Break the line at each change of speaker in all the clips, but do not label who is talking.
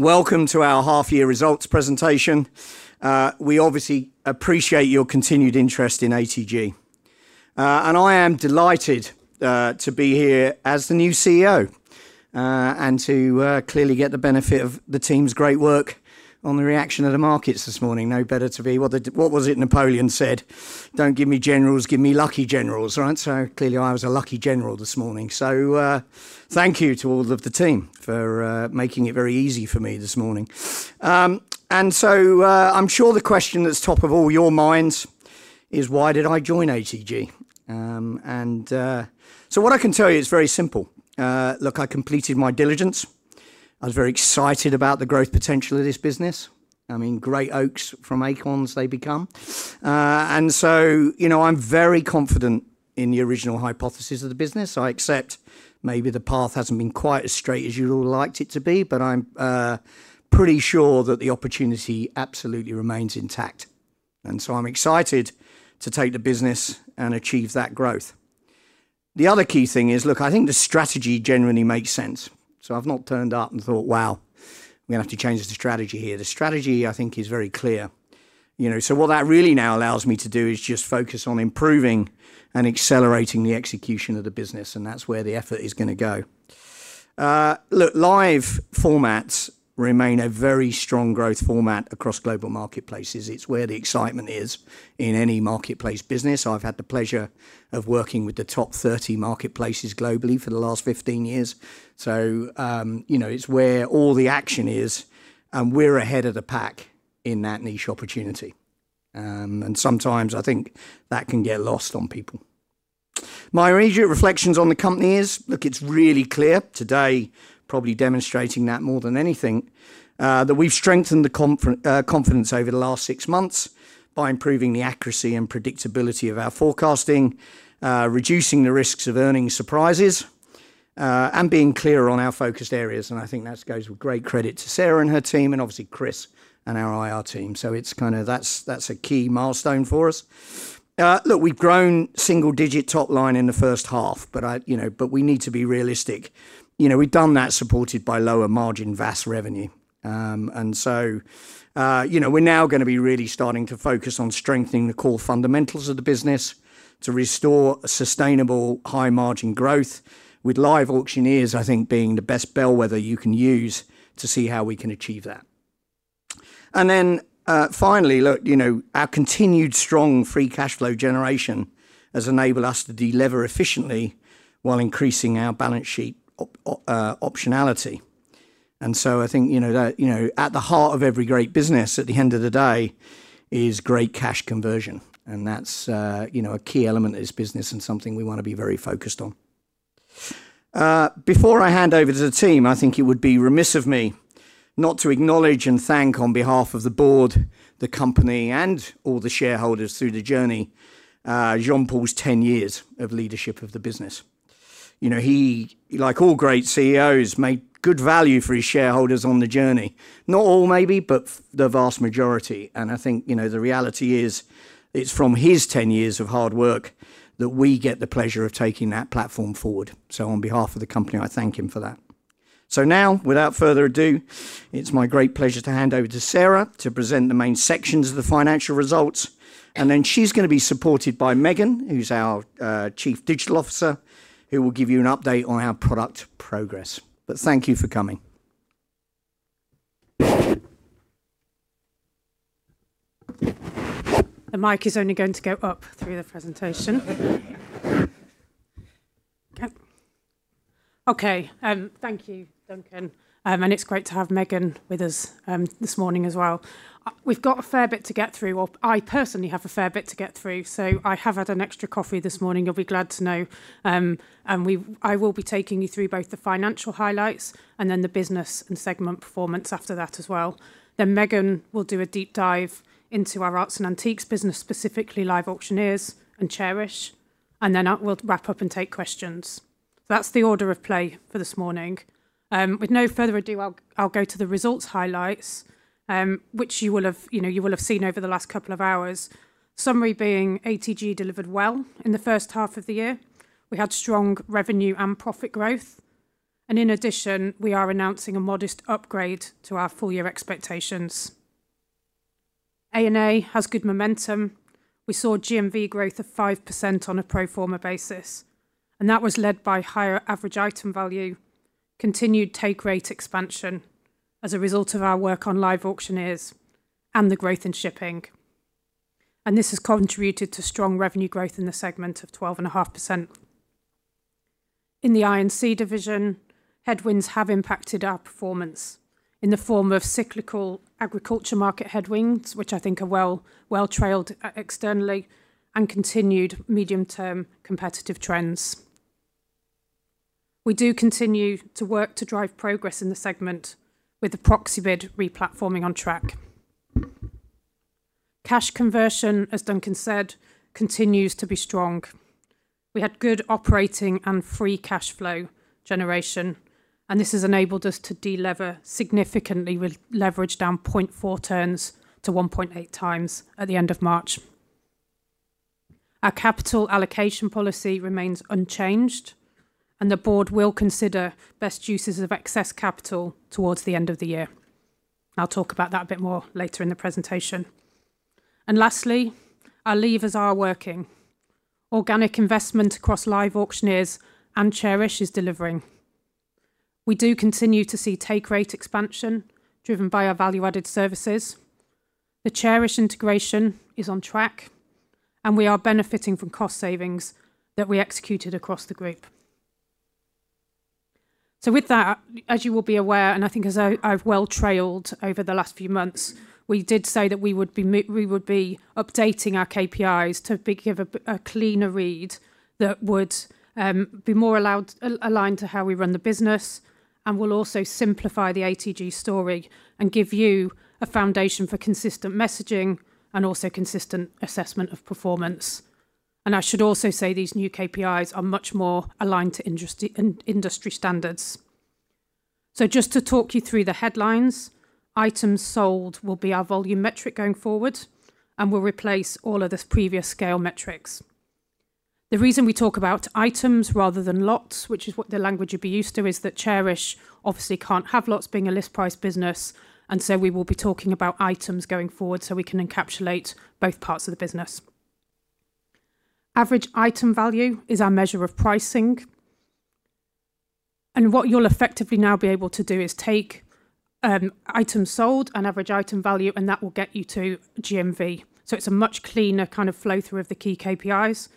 Welcome to our half year results presentation. We obviously appreciate your continued interest in ATG. I am delighted to be here as the new CEO and to clearly get the benefit of the team's great work on the reaction of the markets this morning. No better to be. What was it Napoleon said? Don't give me generals, give me lucky generals, right? Clearly I was a lucky general this morning. Thank you to all of the team for making it very easy for me this morning. I'm sure the question that's top of all your minds is why did I join ATG? What I can tell you is very simple. Look, I completed my diligence. I was very excited about the growth potential of this business. I mean, great oaks from acorns they become. You know, I'm very confident in the original hypothesis of the business. I accept maybe the path hasn't been quite as straight as you'd all liked it to be, but I'm pretty sure that the opportunity absolutely remains intact, and so I'm excited to take the business and achieve that growth. The other key thing is, look, I think the strategy generally makes sense. I've not turned up and thought, wow, I'm gonna have to change the strategy here. The strategy I think is very clear, you know. What that really now allows me to do is just focus on improving and accelerating the execution of the business, and that's where the effort is gonna go. Look, live formats remain a very strong growth format across global marketplaces. It's where the excitement is in any marketplace business. I've had the pleasure of working with the top 30 marketplaces globally for the last 15 years. You know, it's where all the action is, and we're ahead of the pack in that niche opportunity. Sometimes I think that can get lost on people. My immediate reflections on the company is, look, it's really clear today, probably demonstrating that more than anything, that we've strengthened the confidence over the last six months by improving the accuracy and predictability of our forecasting, reducing the risks of earning surprises, and being clearer on our focused areas, and I think that goes with great credit to Sarah and her team, and obviously Chris and our IR team. It's kinda that's a key milestone for us. Look, we've grown single digit top line in the first half, you know, we need to be realistic. You know, we've done that supported by lower margin VAS revenue. You know, we're now gonna be really starting to focus on strengthening the core fundamentals of the business to restore a sustainable high margin growth with LiveAuctioneers, I think being the best bellwether you can use to see how we can achieve that. Finally, look, you know, our continued strong free cash flow generation has enabled us to de-lever efficiently while increasing our balance sheet optionality. I think, you know, that, you know, at the heart of every great business at the end of the day is great cash conversion. That's, you know, a key element of this business and something we wanna be very focused on. Before I hand over to the team, I think it would be remiss of me not to acknowledge and thank on behalf of the board, the company, and all the shareholders through the journey, John-Paul's 10 years of leadership of the business. You know, he, like all great CEOs, made good value for his shareholders on the journey. Not all maybe, but the vast majority. I think, you know, the reality is, it's from his 10 years of hard work that we get the pleasure of taking that platform forward. On behalf of the company, I thank him for that. Now, without further ado, it's my great pleasure to hand over to Sarah to present the main sections of the financial results. She's going to be supported by Meghan, who's our Chief Digital Officer, who will give you an update on our product progress. Thank you for coming.
The mic is only going to go up through the presentation. Yep. Okay. Thank you, Duncan. It's great to have Meghan with us this morning as well. We've got a fair bit to get through, or I personally have a fair bit to get through, so I have had an extra coffee this morning, you'll be glad to know. I will be taking you through both the financial highlights and then the business and segment performance after that as well. Then Meghan will do a deep dive into our Arts and Antiques business, specifically LiveAuctioneers and Chairish, and then we'll wrap up and take questions. That's the order of play for this morning. With no further ado, I'll go to the results highlights, which you will have, you know, you will have seen over the last couple of hours. Summary being ATG delivered well in the first half of the year. We had strong revenue and profit growth. In addition, we are announcing a modest upgrade to our full-year expectations. A&A has good momentum. We saw GMV growth of 5% on a pro forma basis, and that was led by higher average item value, continued take rate expansion as a result of our work on LiveAuctioneers and the growth in shipping. This has contributed to strong revenue growth in the segment of 12.5%. In the I&C division, headwinds have impacted our performance in the form of cyclical agriculture market headwinds, which I think are well trailed externally and continued medium-term competitive trends. We do continue to work to drive progress in the segment with the Proxibid replatforming on track. Cash conversion, as Duncan said, continues to be strong. We had good operating and free cash flow generation, and this has enabled us to de-lever significantly with leverage down 0.4x to 1.8x at the end of March. Our capital allocation policy remains unchanged, and the board will consider best uses of excess capital towards the end of the year. I will talk about that a bit more later in the presentation. Lastly, our levers are working. Organic investment across LiveAuctioneers and Chairish is delivering. We do continue to see take rate expansion driven by our value-added services. The Chairish integration is on track, and we are benefiting from cost savings that we executed across the group. With that, as you will be aware, and I think as I've well trailed over the last few months, we did say that we would be updating our KPIs to give a cleaner read that would be more aligned to how we run the business and will also simplify the ATG story and give you a foundation for consistent messaging and also consistent assessment of performance. I should also say these new KPIs are much more aligned to industry standards. Just to talk you through the headlines, items sold will be our volume metric going forward and will replace all of the previous scale metrics. The reason we talk about items rather than lots, which is what the language you'd be used to, is that Chairish obviously can't have lots being a list price business, and so we will be talking about items going forward so we can encapsulate both parts of the business. Average item value is our measure of pricing. What you'll effectively now be able to do is take items sold and average item value, and that will get you to GMV. It's a much cleaner kind of flow through of the key KPIs.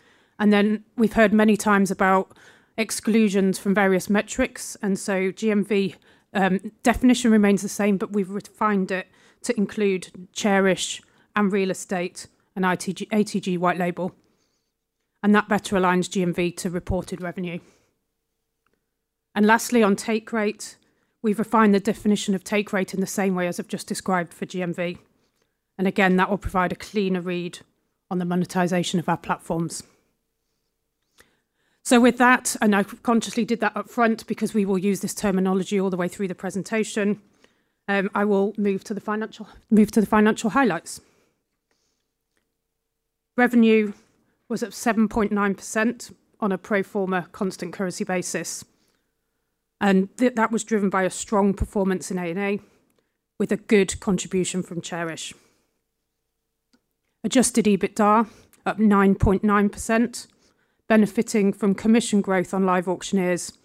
We've heard many times about exclusions from various metrics, and so GMV definition remains the same, but we've refined it to include Chairish and real estate and ATG white label, and that better aligns GMV to reported revenue. Lastly, on take rate, we've refined the definition of take rate in the same way as I've just described for GMV. Again, that will provide a cleaner read on the monetization of our platforms. With that, and I consciously did that upfront because we will use this terminology all the way through the presentation, I will move to the financial highlights. Revenue was up 7.9% on a pro forma constant currency basis, and that was driven by a strong performance in A&A with a good contribution from Chairish. Adjusted EBITDA up 9.9%, benefiting from commission growth on LiveAuctioneers,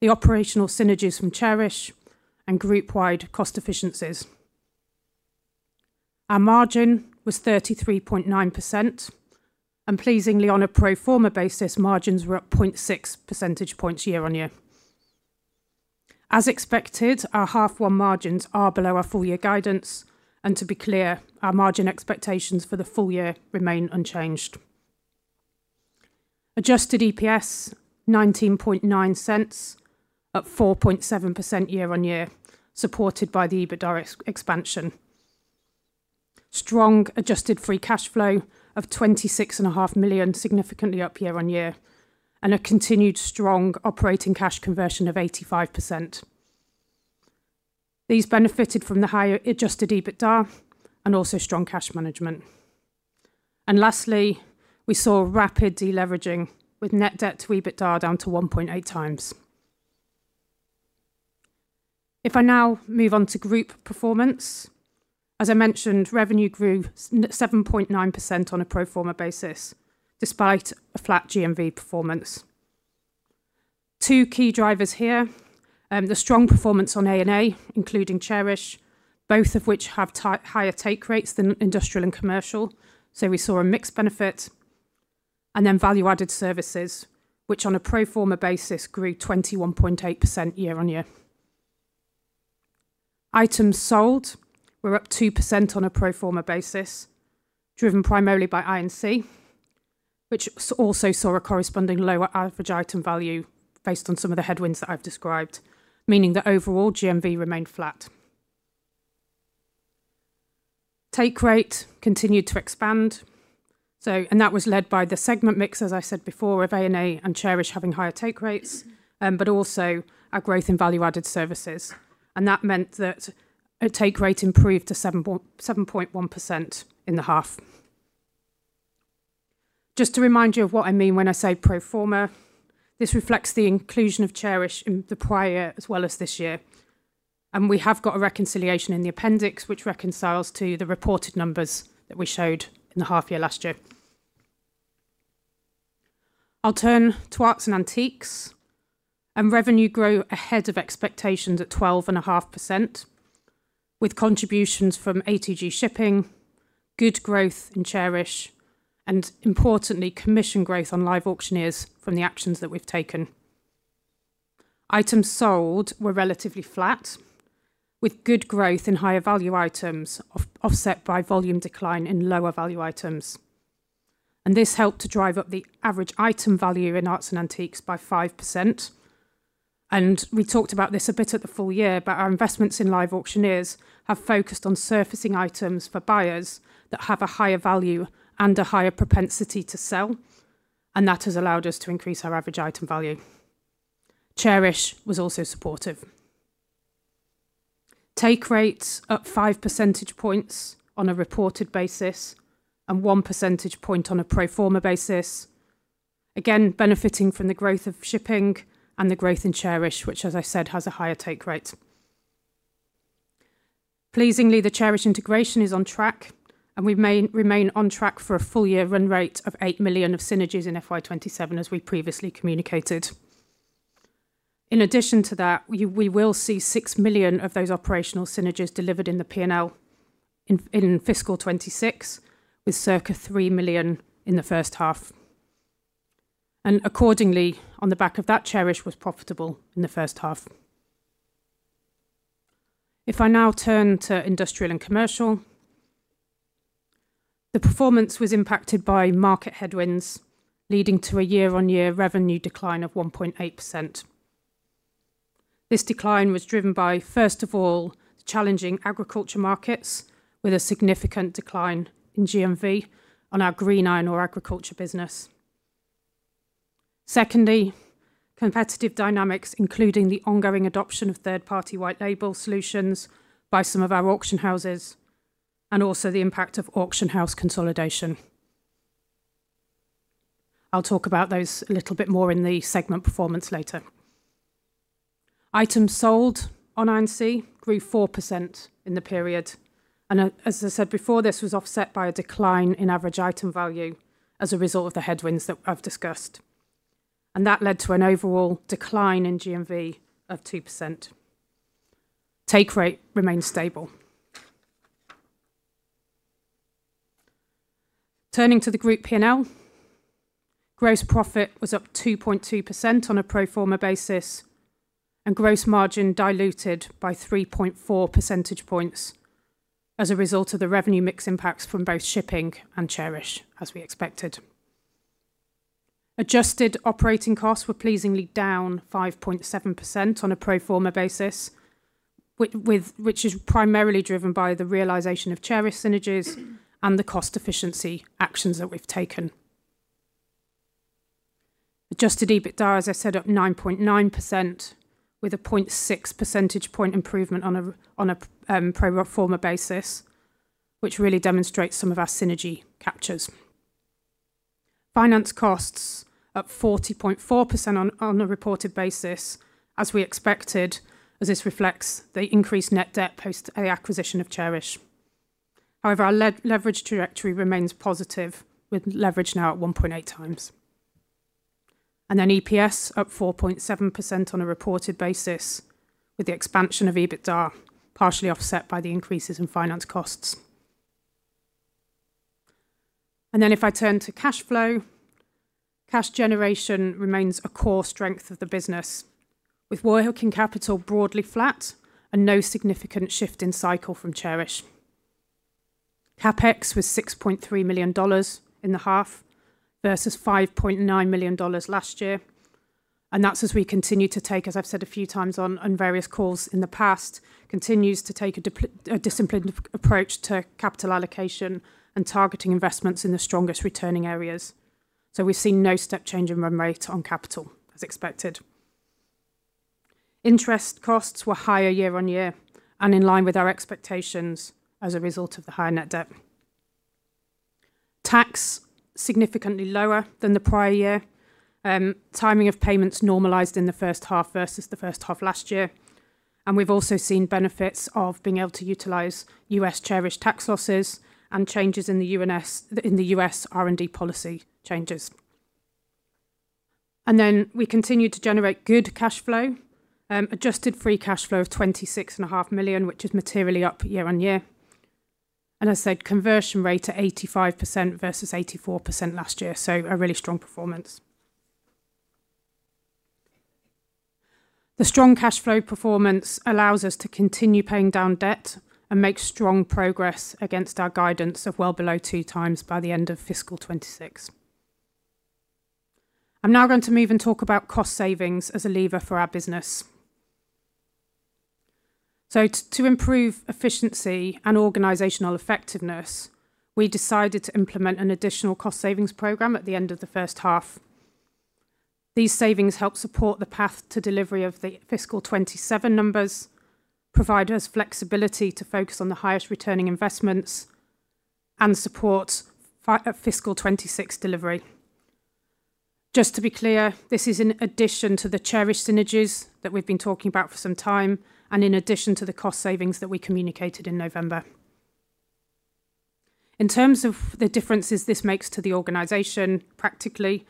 the operational synergies from Chairish, and group-wide cost efficiencies. Our margin was 33.9%, and pleasingly on a pro forma basis, margins were up 0.6 percentage points year-on-year. As expected, our half one margins are below our full-year guidance. To be clear, our margin expectations for the full-year remain unchanged. Adjusted EPS 0.199, up 4.7% year-on-year, supported by the EBITDA expansion. Strong adjusted free cash flow of 26.5 million, significantly up year-on-year, and a continued strong operating cash conversion of 85%. These benefited from the higher adjusted EBITDA and also strong cash management. Lastly, we saw rapid deleveraging with net debt to EBITDA down to 1.8x. If I now move on to group performance, as I mentioned, revenue grew 7.9% on a pro forma basis, despite a flat GMV performance. Two key drivers here, the strong performance on A&A, including Chairish, both of which have higher take rates than Industrial & Commercial, so we saw a mixed benefit. Value-added services, which on a pro forma basis grew 21.8% year-on-year. Items sold were up 2% on a pro forma basis, driven primarily by I&C, which also saw a corresponding lower average item value based on some of the headwinds that I've described, meaning that overall GMV remained flat. Take rate continued to expand. That was led by the segment mix, as I said before, of A&A and Chairish having higher take rates, but also our growth in value-added services. That meant that our take rate improved to 7.1% in the half. Just to remind you of what I mean when I say pro forma, this reflects the inclusion of Chairish in the prior as well as this year. We have got a reconciliation in the appendix which reconciles to the reported numbers that we showed in the half year last year. I'll turn to Arts and Antiques. Revenue grew ahead of expectations at 12.5%, with contributions from atgShip, good growth in Chairish, and importantly, commission growth on LiveAuctioneers from the actions that we've taken. Items sold were relatively flat, with good growth in higher value items offset by volume decline in lower value items. This helped to drive up the average item value in Arts and Antiques by 5%. We talked about this a bit at the full-year, but our investments in LiveAuctioneers have focused on surfacing items for buyers that have a higher value and a higher propensity to sell, and that has allowed us to increase our average item value. Chairish was also supportive. Take rates up 5 percentage points on a reported basis and 1 percentage point on a pro forma basis, again benefiting from the growth of shipping and the growth in Chairish, which, as I said, has a higher take rate. Pleasingly, the Chairish integration is on track, and we may remain on track for a full-year run rate of 8 million of synergies in FY 2027, as we previously communicated. In addition to that, we will see 6 million of those operational synergies delivered in the P&L in fiscal 2026, with circa 3 million in the first half. Accordingly, on the back of that, Chairish was profitable in the first half. If I now turn to Industrial & Commercial. The performance was impacted by market headwinds, leading to a year-on-year revenue decline of 1.8%. This decline was driven by, first of all, challenging agriculture markets with a significant decline in GMV on our green iron or agriculture business. Secondly, competitive dynamics, including the ongoing adoption of third-party white label solutions by some of our auction houses and also the impact of auction house consolidation. I'll talk about those a little bit more in the segment performance later. Items sold on I&C grew 4% in the period, and as I said before, this was offset by a decline in average item value as a result of the headwinds that I've discussed. That led to an overall decline in GMV of 2%. Take rate remained stable. Turning to the group P&L. Gross profit was up 2.2% on a pro forma basis and gross margin diluted by 3.4 percentage points as a result of the revenue mix impacts from both shipping and Chairish, as we expected. Adjusted operating costs were pleasingly down 5.7% on a pro forma basis which is primarily driven by the realization of Chairish synergies and the cost efficiency actions that we've taken. Adjusted EBITDA, as I said, up 9.9% with a 0.6 percentage point improvement on a pro forma basis, which really demonstrates some of our synergy captures. Finance costs up 40.4% on a reported basis, as we expected, as this reflects the increased net debt post a acquisition of Chairish. However, our leverage trajectory remains positive, with leverage now at 1.8x. EPS up 4.7% on a reported basis, with the expansion of EBITDA partially offset by the increases in finance costs. If I turn to cash flow, cash generation remains a core strength of the business, with working capital broadly flat and no significant shift in cycle from Chairish. CapEx was $6.3 million in the half versus $5.9 million last year, and that's as we continue to take, as I've said a few times on various calls in the past, continues to take a disciplined approach to capital allocation and targeting investments in the strongest returning areas. We've seen no step change in run rate on capital, as expected. Interest costs were higher year-on-year and in line with our expectations as a result of the higher net debt. Tax significantly lower than the prior year. Timing of payments normalized in the first half versus the first half last year. We've also seen benefits of being able to utilize U.S. Chairish tax losses and changes in the U.S. R&D policy changes. We continue to generate good cash flow, adjusted free cash flow of 26.5 million, which is materially up year-on-year. As I said, conversion rate at 85% versus 84% last year, so a really strong performance. The strong cash flow performance allows us to continue paying down debt and make strong progress against our guidance of well below 2x by the end of FY 2026. I'm now going to move and talk about cost savings as a lever for our business. To improve efficiency and organizational effectiveness, we decided to implement an additional cost savings program at the end of the first half. These savings help support the path to delivery of the fiscal 2027 numbers, provide us flexibility to focus on the highest returning investments, and support fiscal 2026 delivery. Just to be clear, this is in addition to the Chairish synergies that we've been talking about for some time and in addition to the cost savings that we communicated in November. In terms of the differences this makes to the organization, practically,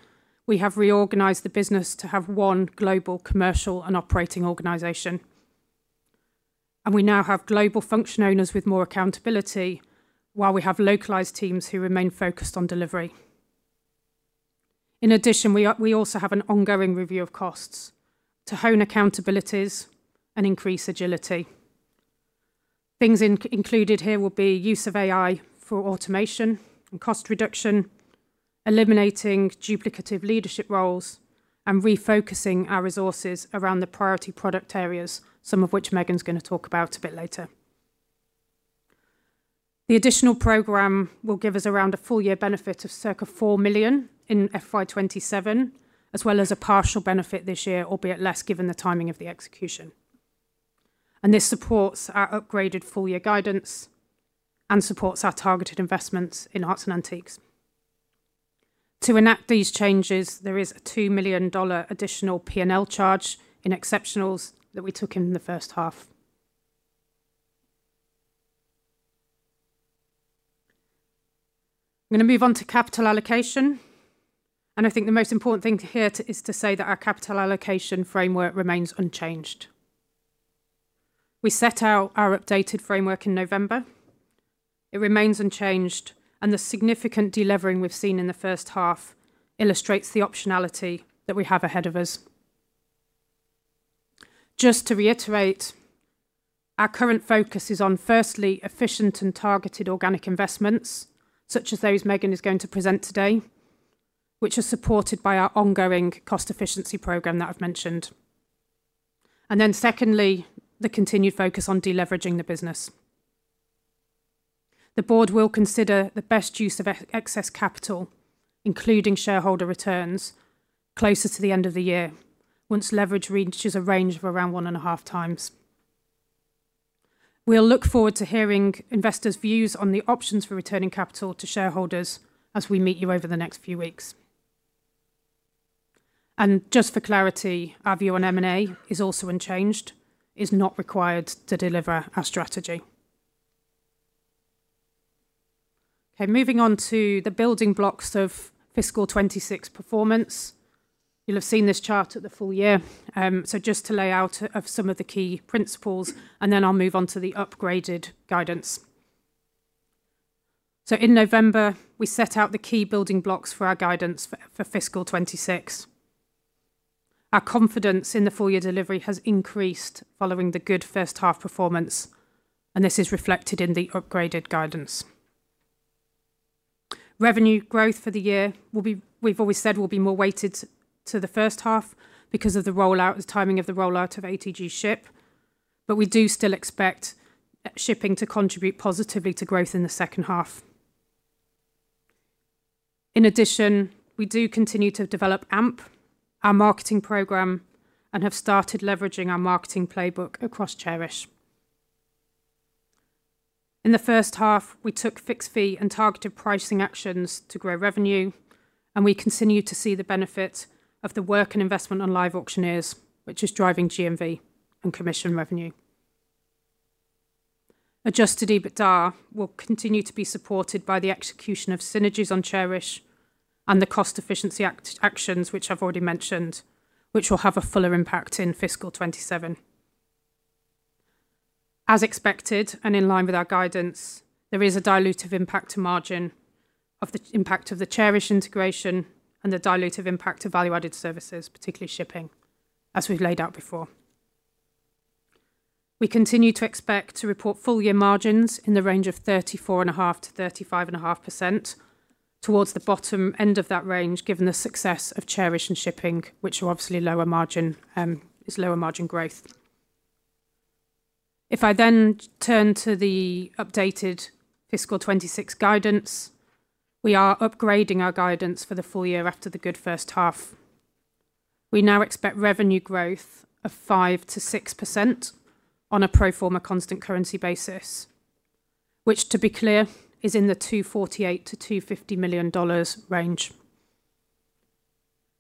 we have reorganized the business to have one global commercial and operating organization, and we now have global function owners with more accountability, while we have localized teams who remain focused on delivery. In addition, we also have an ongoing review of costs to hone accountabilities and increase agility. Things included here will be use of AI for automation and cost reduction, eliminating duplicative leadership roles, and refocusing our resources around the priority product areas, some of which Meghan's going to talk about a bit later. The additional program will give us around a full-year benefit of circa 4 million in FY 2027, as well as a partial benefit this year, albeit less given the timing of the execution. This supports our upgraded full-year guidance and supports our targeted investments in Arts & Antiques. To enact these changes, there is a $2 million additional P&L charge in exceptionals that we took in in the first half. I'm gonna move on to capital allocation. I think the most important thing to hear is to say that our capital allocation framework remains unchanged. We set out our updated framework in November. It remains unchanged. The significant delevering we've seen in the first half illustrates the optionality that we have ahead of us. Just to reiterate, our current focus is on, firstly, efficient and targeted organic investments, such as those Meghan is going to present today, which are supported by our ongoing cost efficiency program that I've mentioned. Secondly, the continued focus on deleveraging the business. The board will consider the best use of excess capital, including shareholder returns, closer to the end of the year once leverage reaches a range of around 1.5x. We'll look forward to hearing investors' views on the options for returning capital to shareholders as we meet you over the next few weeks. Just for clarity, our view on M&A is also unchanged, is not required to deliver our strategy. Moving on to the building blocks of fiscal 2026 performance. You'll have seen this chart at the full-year, just to lay out some of the key principles, and then I'll move on to the upgraded guidance. In November, we set out the key building blocks for our guidance for fiscal 2026. Our confidence in the full-year delivery has increased following the good first half performance, and this is reflected in the upgraded guidance. Revenue growth for the year, we've always said, will be more weighted to the first half because of the rollout, the timing of the rollout of atgShip, but we do still expect shipping to contribute positively to growth in the second half. In addition, we do continue to develop AMP, our marketing program, and have started leveraging our marketing playbook across Chairish. In the first half, we took fixed fee and targeted pricing actions to grow revenue, and we continue to see the benefit of the work and investment on LiveAuctioneers, which is driving GMV and commission revenue. Adjusted EBITDA will continue to be supported by the execution of synergies on Chairish and the cost efficiency actions which I've already mentioned, which will have a fuller impact in fiscal 2027. As expected and in line with our guidance, there is a dilutive impact to margin of the impact of the Chairish integration and the dilutive impact of value-added services, particularly shipping, as we've laid out before. We continue to expect to report full-year margins in the range of 34.5% to 35.5% towards the bottom end of that range, given the success of Chairish and shipping, which are obviously lower margin, is lower margin growth. If I turn to the updated fiscal 2026 guidance, we are upgrading our guidance for the full-year after the good first half. We now expect revenue growth of 5%-6% on a pro forma constant currency basis, which, to be clear, is in the $248 million-$250 million range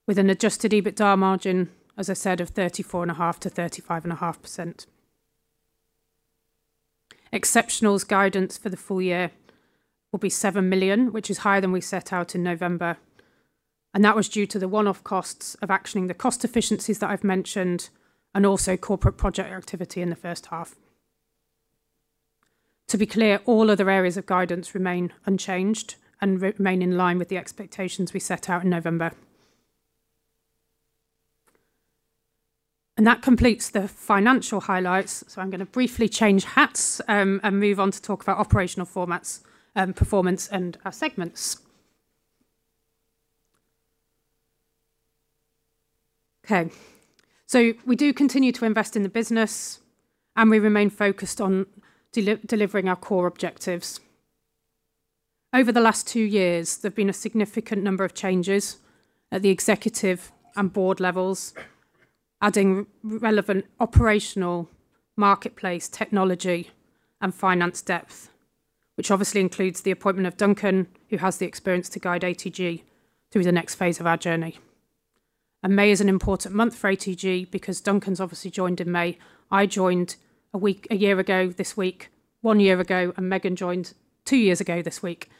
with an adjusted EBITDA margin, as I said, of 34.5%-35.5%. Exceptionals guidance for the full-year will be 7 million, which is higher than we set out in November, and that was due to the one-off costs of actioning the cost efficiencies that I've mentioned and also corporate project activity in the first half. To be clear, all other areas of guidance remain unchanged and remain in line with the expectations we set out in November. That completes the financial highlights, so I'm gonna briefly change hats and move on to talk about operational performance and our segments. Okay. We do continue to invest in the business, and we remain focused on delivering our core objectives. Over the last two years, there've been a significant number of changes at the executive and board levels, adding relevant operational marketplace technology and finance depth, which obviously includes the appointment of Duncan, who has the experience to guide ATG through the next phase of our journey. May is an important month for ATG because Duncan's obviously joined in May. I joined a year ago this week, one year ago, and Meghan joined two years ago this week.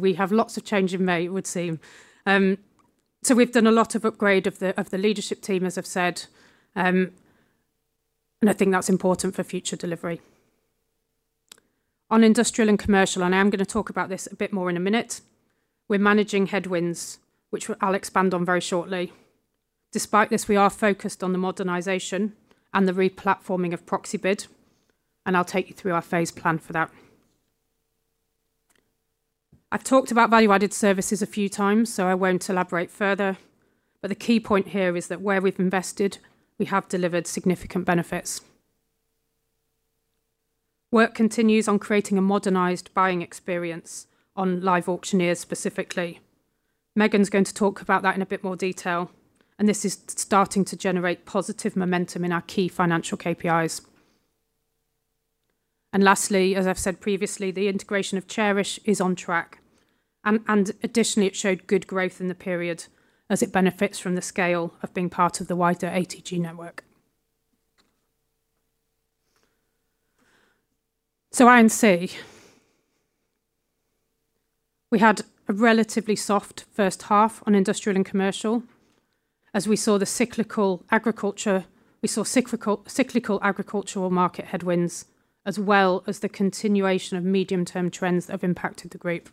We have lots of change in May, it would seem. We've done a lot of upgrade of the leadership team, as I've said, and I think that's important for future delivery. On Industrial & Commercial, I am going to talk about this a bit more in a minute, we are managing headwinds, which I will expand on very shortly. Despite this, we are focused on the modernization and the replatforming of Proxibid, I will take you through our phase plan for that. I have talked about value-added services a few times, I will not elaborate further. The key point here is that where we have invested, we have delivered significant benefits. Work continues on creating a modernized buying experience on LiveAuctioneers specifically. Meghan is going to talk about that in a bit more detail. This is starting to generate positive momentum in our key financial KPIs. Lastly, as I have said previously, the integration of Chairish is on track, additionally, it showed good growth in the period as it benefits from the scale of being part of the wider ATG network. I&C. We had a relatively soft first half on Industrial & Commercial as we saw the cyclical agricultural market headwinds as well as the continuation of medium-term trends that have impacted the group.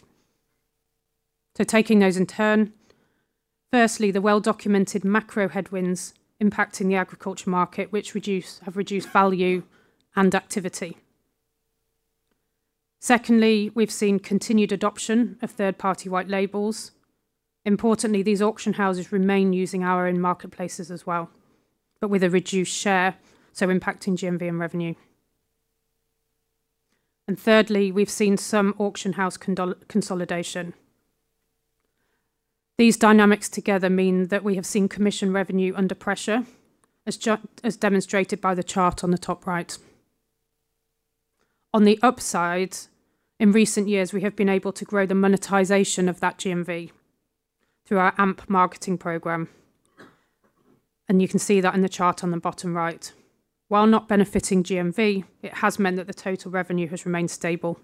Taking those in turn, firstly, the well-documented macro headwinds impacting the agriculture market, which reduce, have reduced value and activity. Secondly, we've seen continued adoption of 3rd-party white labels. Importantly, these auction houses remain using our own marketplaces as well, but with a reduced share, impacting GMV and revenue. Thirdly, we've seen some auction house consolidation. These dynamics together mean that we have seen commission revenue under pressure as demonstrated by the chart on the top right. On the upside, in recent years, we have been able to grow the monetization of that GMV through our AMP marketing program, and you can see that in the chart on the bottom right. While not benefiting GMV, it has meant that the total revenue has remained stable.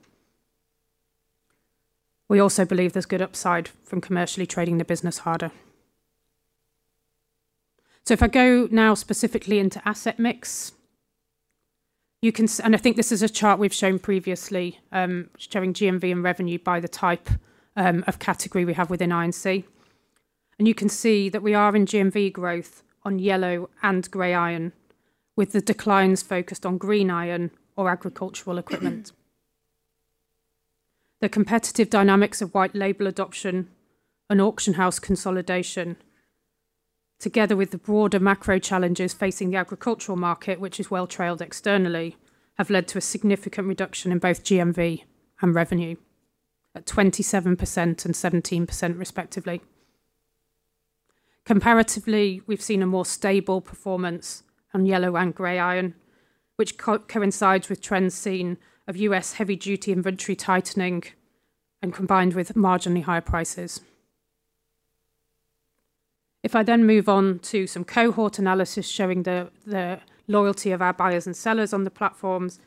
We also believe there's good upside from commercially trading the business harder. If I go now specifically into asset mix, I think this is a chart we've shown previously, showing GMV and revenue by the type of category we have within I&C. You can see that we are in GMV growth on yellow and gray iron, with the declines focused on green iron or agricultural equipment. The competitive dynamics of white label adoption and auction house consolidation, together with the broader macro challenges facing the agricultural market, which is well trailed externally, have led to a significant reduction in both GMV and revenue at 27% and 17% respectively. Comparatively, we've seen a more stable performance on yellow and gray iron, which coincides with trends seen of U.S. heavy-duty inventory tightening and combined with marginally higher prices. If I then move on to some cohort analysis showing the loyalty of our buyers and sellers on the platforms,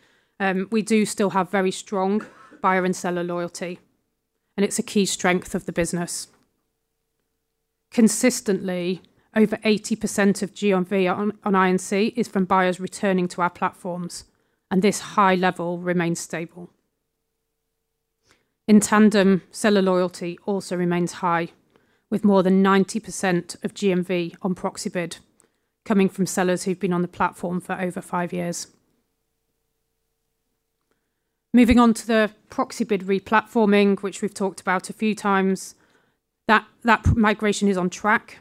we do still have very strong buyer and seller loyalty, and it's a key strength of the business. Consistently, over 80% of GMV on I&C is from buyers returning to our platforms, and this high level remains stable. In tandem, seller loyalty also remains high, with more than 90% of GMV on Proxibid coming from sellers who've been on the platform for over five years. Moving on to the Proxibid replatforming, which we've talked about a few times, that migration is on track,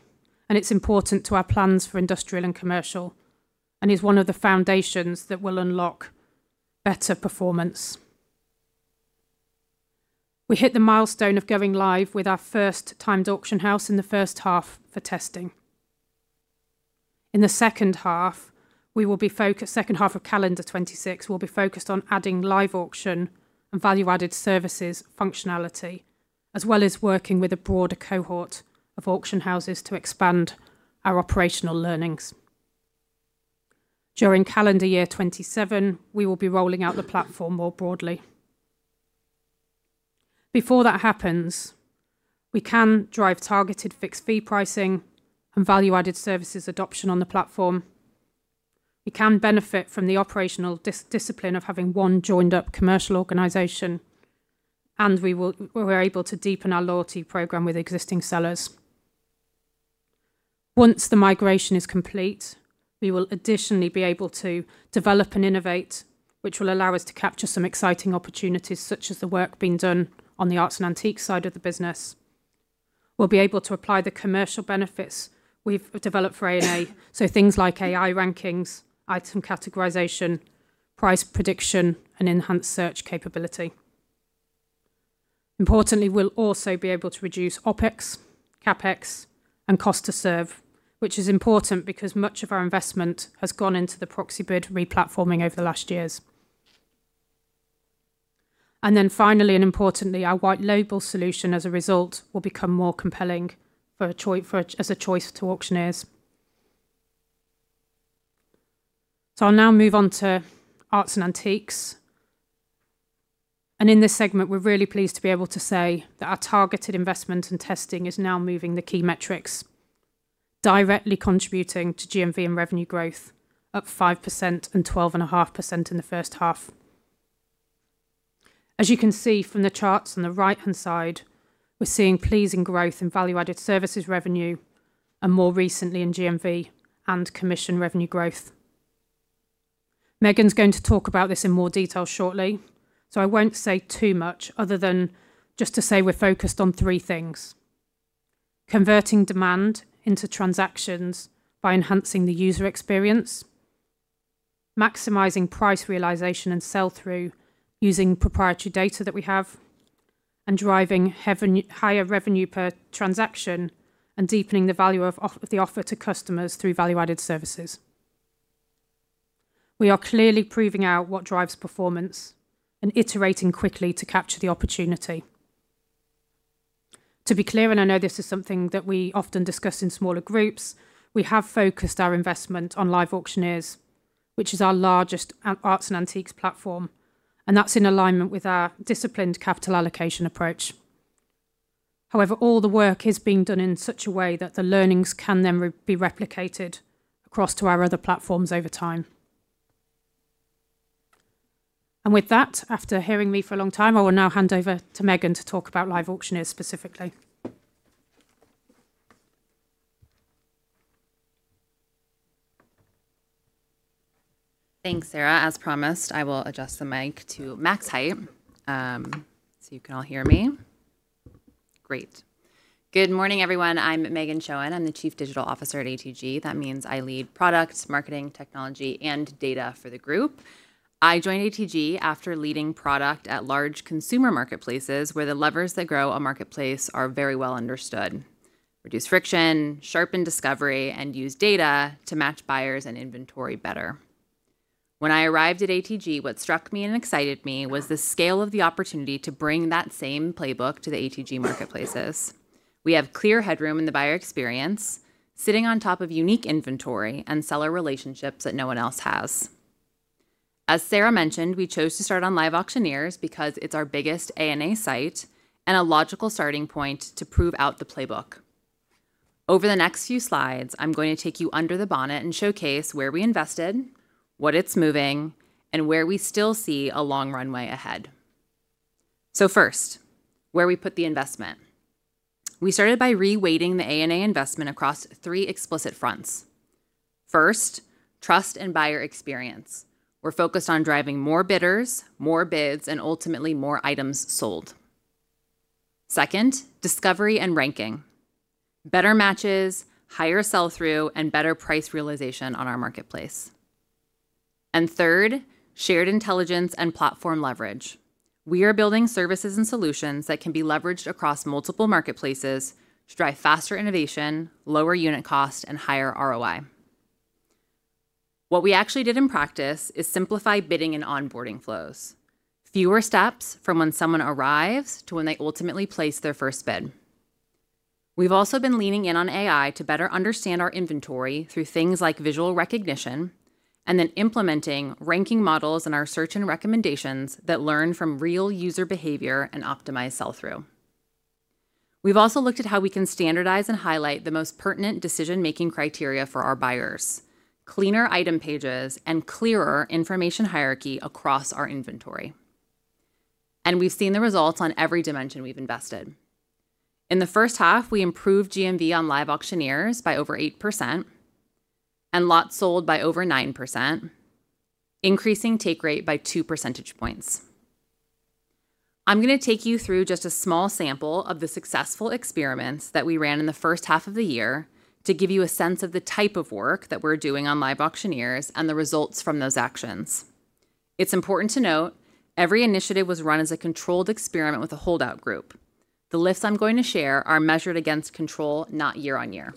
and it's important to our plans for Industrial & Commercial and is one of the foundations that will unlock better performance. We hit the milestone of going live with our first timed auction house in the first half for testing. In the second half, we will be focused on adding live auction and value-added services functionality as well as working with a broader cohort of auction houses to expand our operational learnings. During calendar year 2027, we will be rolling out the platform more broadly. Before that happens, we can drive targeted fixed fee pricing and value-added services adoption on the platform. We can benefit from the operational discipline of having one joined-up commercial organization, and we're able to deepen our loyalty program with existing sellers. Once the migration is complete, we will additionally be able to develop and innovate, which will allow us to capture some exciting opportunities, such as the work being done on the Arts & Antiques side of the business. We'll be able to apply the commercial benefits we've developed for A&A, so things like AI rankings, item categorization, price prediction, and enhanced search capability. Importantly, we'll also be able to reduce OpEx, CapEx, and cost to serve, which is important because much of our investment has gone into the Proxibid replatforming over the last years. Finally and importantly, our white label solution as a result will become more compelling for a choice to auctioneers. I'll now move on to Arts & Antiques. In this segment, we're really pleased to be able to say that our targeted investment and testing is now moving the key metrics directly contributing to GMV and revenue growth up 5% and 12.5% in the first half. As you can see from the charts on the right-hand side, we're seeing pleasing growth in value-added services revenue and more recently in GMV and commission revenue growth. Meghan's going to talk about this in more detail shortly. I won't say too much other than just to say we're focused on three things: converting demand into transactions by enhancing the user experience, maximizing price realization and sell-through using proprietary data that we have, and driving higher revenue per transaction and deepening the value of the offer to customers through value-added services. We are clearly proving out what drives performance and iterating quickly to capture the opportunity. To be clear, I know this is something that we often discuss in smaller groups, we have focused our investment on LiveAuctioneers, which is our largest Arts & Antiques platform, and that's in alignment with our disciplined capital allocation approach. However, all the work is being done in such a way that the learnings can then be replicated across to our other platforms over time. With that, after hearing me for a long time, I will now hand over to Meghan to talk about LiveAuctioneers specifically.
Thanks, Sarah. As promised, I will adjust the mic to max height, so you can all hear me. Great. Good morning, everyone. I'm Meghan Schoen. I'm the Chief Digital Officer at ATG. That means I lead product, marketing, technology, and data for the group. I joined ATG after leading product at large consumer marketplaces where the levers that grow a marketplace are very well understood: reduce friction, sharpen discovery, and use data to match buyers and inventory better. When I arrived at ATG, what struck me and excited me was the scale of the opportunity to bring that same playbook to the ATG marketplaces. We have clear headroom in the buyer experience, sitting on top of unique inventory and seller relationships that no one else has. As Sarah mentioned, we chose to start on LiveAuctioneers because it's our biggest A&A site and a logical starting point to prove out the playbook. Over the next few slides, I'm going to take you under the bonnet and showcase where we invested, what it's moving, and where we still see a long runway ahead. First, where we put the investment. We started by reweighting the A&A investment across 3 explicit fronts. First, trust and buyer experience. We're focused on driving more bidders, more bids, and ultimately more items sold. Second, discovery and ranking. Better matches, higher sell-through, and better price realization on our marketplace. Third, shared intelligence and platform leverage. We are building services and solutions that can be leveraged across multiple marketplaces to drive faster innovation, lower unit cost, and higher ROI. What we actually did in practice is simplify bidding and onboarding flows. Fewer steps from when someone arrives to when they ultimately place their first bid. We've also been leaning in on AI to better understand our inventory through things like visual recognition, then implementing ranking models in our search and recommendations that learn from real user behavior and optimize sell-through. We've also looked at how we can standardize and highlight the most pertinent decision-making criteria for our buyers, cleaner item pages, and clearer information hierarchy across our inventory. We've seen the results on every dimension we've invested. In the first half, we improved GMV on LiveAuctioneers by over 8%, and lots sold by over 9%, increasing take rate by two percentage points. I'm gonna take you through just a small sample of the successful experiments that we ran in the first half of the year to give you a sense of the type of work that we're doing on LiveAuctioneers and the results from those actions. It's important to note every initiative was run as a controlled experiment with a hold-out group. The lists I'm going to share are measured against control, not year-over-year.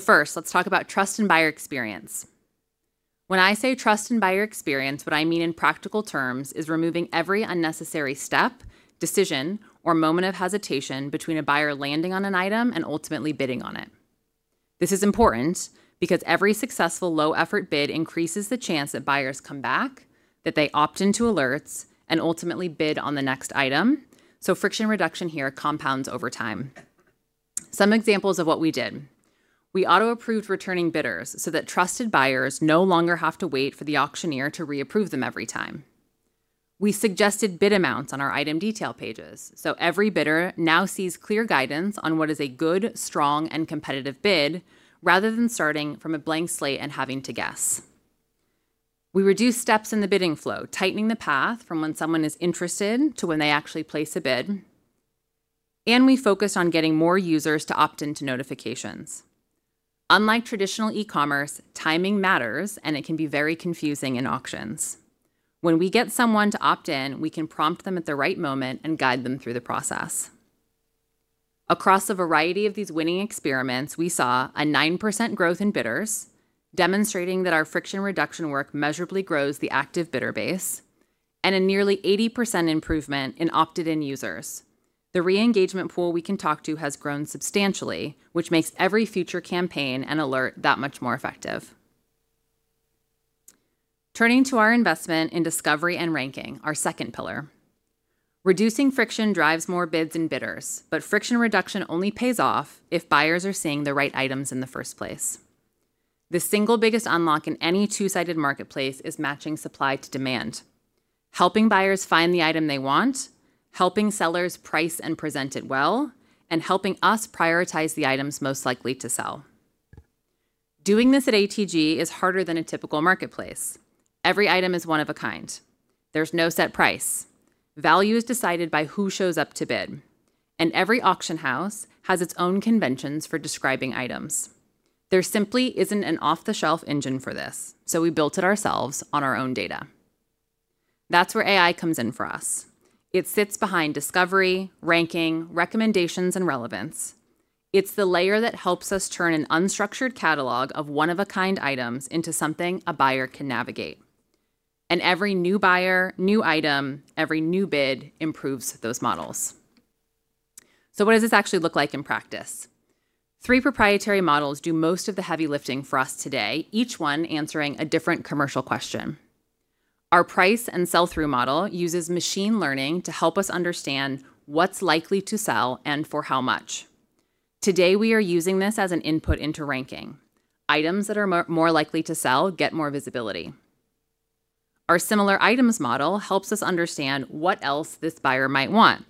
First, let's talk about trust and buyer experience. When I say trust and buyer experience, what I mean in practical terms is removing every unnecessary step, decision, or moment of hesitation between a buyer landing on an item and ultimately bidding on it. This is important because every successful low-effort bid increases the chance that buyers come back, that they opt into alerts, and ultimately bid on the next item, so friction reduction here compounds over time. Some examples of what we did. We auto-approved returning bidders so that trusted buyers no longer have to wait for the auctioneer to reapprove them every time. We suggested bid amounts on our item detail pages, so every bidder now sees clear guidance on what is a good, strong, and competitive bid rather than starting from a blank slate and having to guess. We reduced steps in the bidding flow, tightening the path from when someone is interested to when they actually place a bid. We focused on getting more users to opt in to notifications. Unlike traditional e-commerce, timing matters, and it can be very confusing in auctions. When we get someone to opt in, we can prompt them at the right moment and guide them through the process. Across a variety of these winning experiments, we saw a 9% growth in bidders, demonstrating that our friction reduction work measurably grows the active bidder base and a nearly 80% improvement in opted-in users. The re-engagement pool we can talk to has grown substantially, which makes every future campaign and alert that much more effective. Turning to our investment in discovery and ranking, our second pillar. Reducing friction drives more bids and bidders, but friction reduction only pays off if buyers are seeing the right items in the first place. The single biggest unlock in any two sided marketplace is matching supply to demand. Helping buyers find the item they want, helping sellers price and present it well, and helping us prioritize the items most likely to sell. Doing this at ATG is harder than a typical marketplace. Every item is one of a kind. There's no set price. Value is decided by who shows up to bid, and every auction house has its own conventions for describing items. There simply isn't an off-the-shelf engine for this, so we built it ourselves on our own data. That's where AI comes in for us. It sits behind discovery, ranking, recommendations, and relevance. It's the layer that helps us turn an unstructured catalog of one-of-a-kind items into something a buyer can navigate. Every new buyer, new item, every new bid improves those models. What does this actually look like in practice? Three proprietary models do most of the heavy lifting for us today, each one answering a different commercial question. Our price and sell-through model uses machine learning to help us understand what's likely to sell and for how much. Today, we are using this as an input into ranking. Items that are more likely to sell get more visibility. Our similar items model helps us understand what else this buyer might want.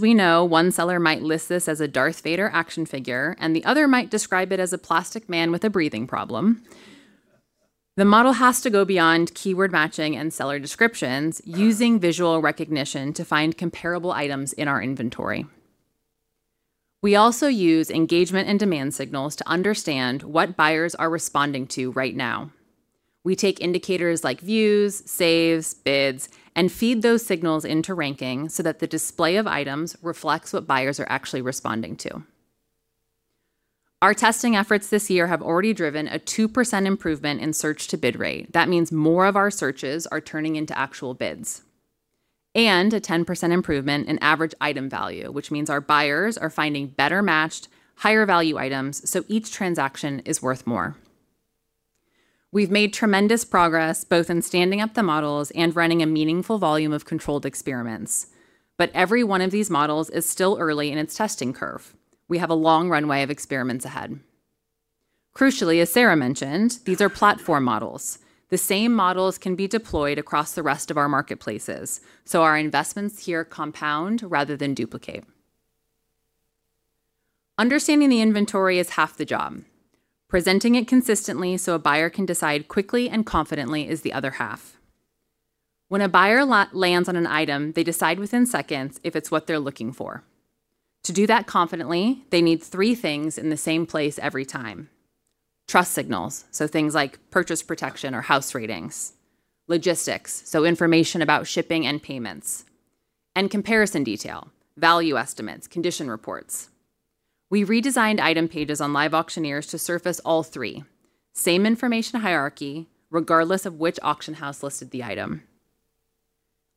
We know one seller might list this as a Darth Vader action figure, and the other might describe it as a plastic man with a breathing problem, the model has to go beyond keyword matching and seller descriptions, using visual recognition to find comparable items in our inventory. We also use engagement and demand signals to understand what buyers are responding to right now. We take indicators like views, saves, bids, and feed those signals into ranking so that the display of items reflects what buyers are actually responding to. Our testing efforts this year have already driven a 2% improvement in search to bid rate. That means more of our searches are turning into actual bids, and a 10% improvement in average item value, which means our buyers are finding better-matched, higher-value items, so each transaction is worth more. We've made tremendous progress, both in standing up the models and running a meaningful volume of controlled experiments. Every one of these models is still early in its testing curve. We have a long runway of experiments ahead. Crucially, as Sarah mentioned, these are platform models. The same models can be deployed across the rest of our marketplaces, our investments here compound rather than duplicate. Understanding the inventory is half the job. Presenting it consistently so a buyer can decide quickly and confidently is the other half. When a buyer lands on an item, they decide within seconds if it's what they're looking for. To do that confidently, they need three things in the same place every time: trust signals, so things like purchase protection or house ratings; logistics, so information about shipping and payments; and comparison detail, value estimates, condition reports. We redesigned item pages on LiveAuctioneers to surface all three. Same information hierarchy, regardless of which auction house listed the item.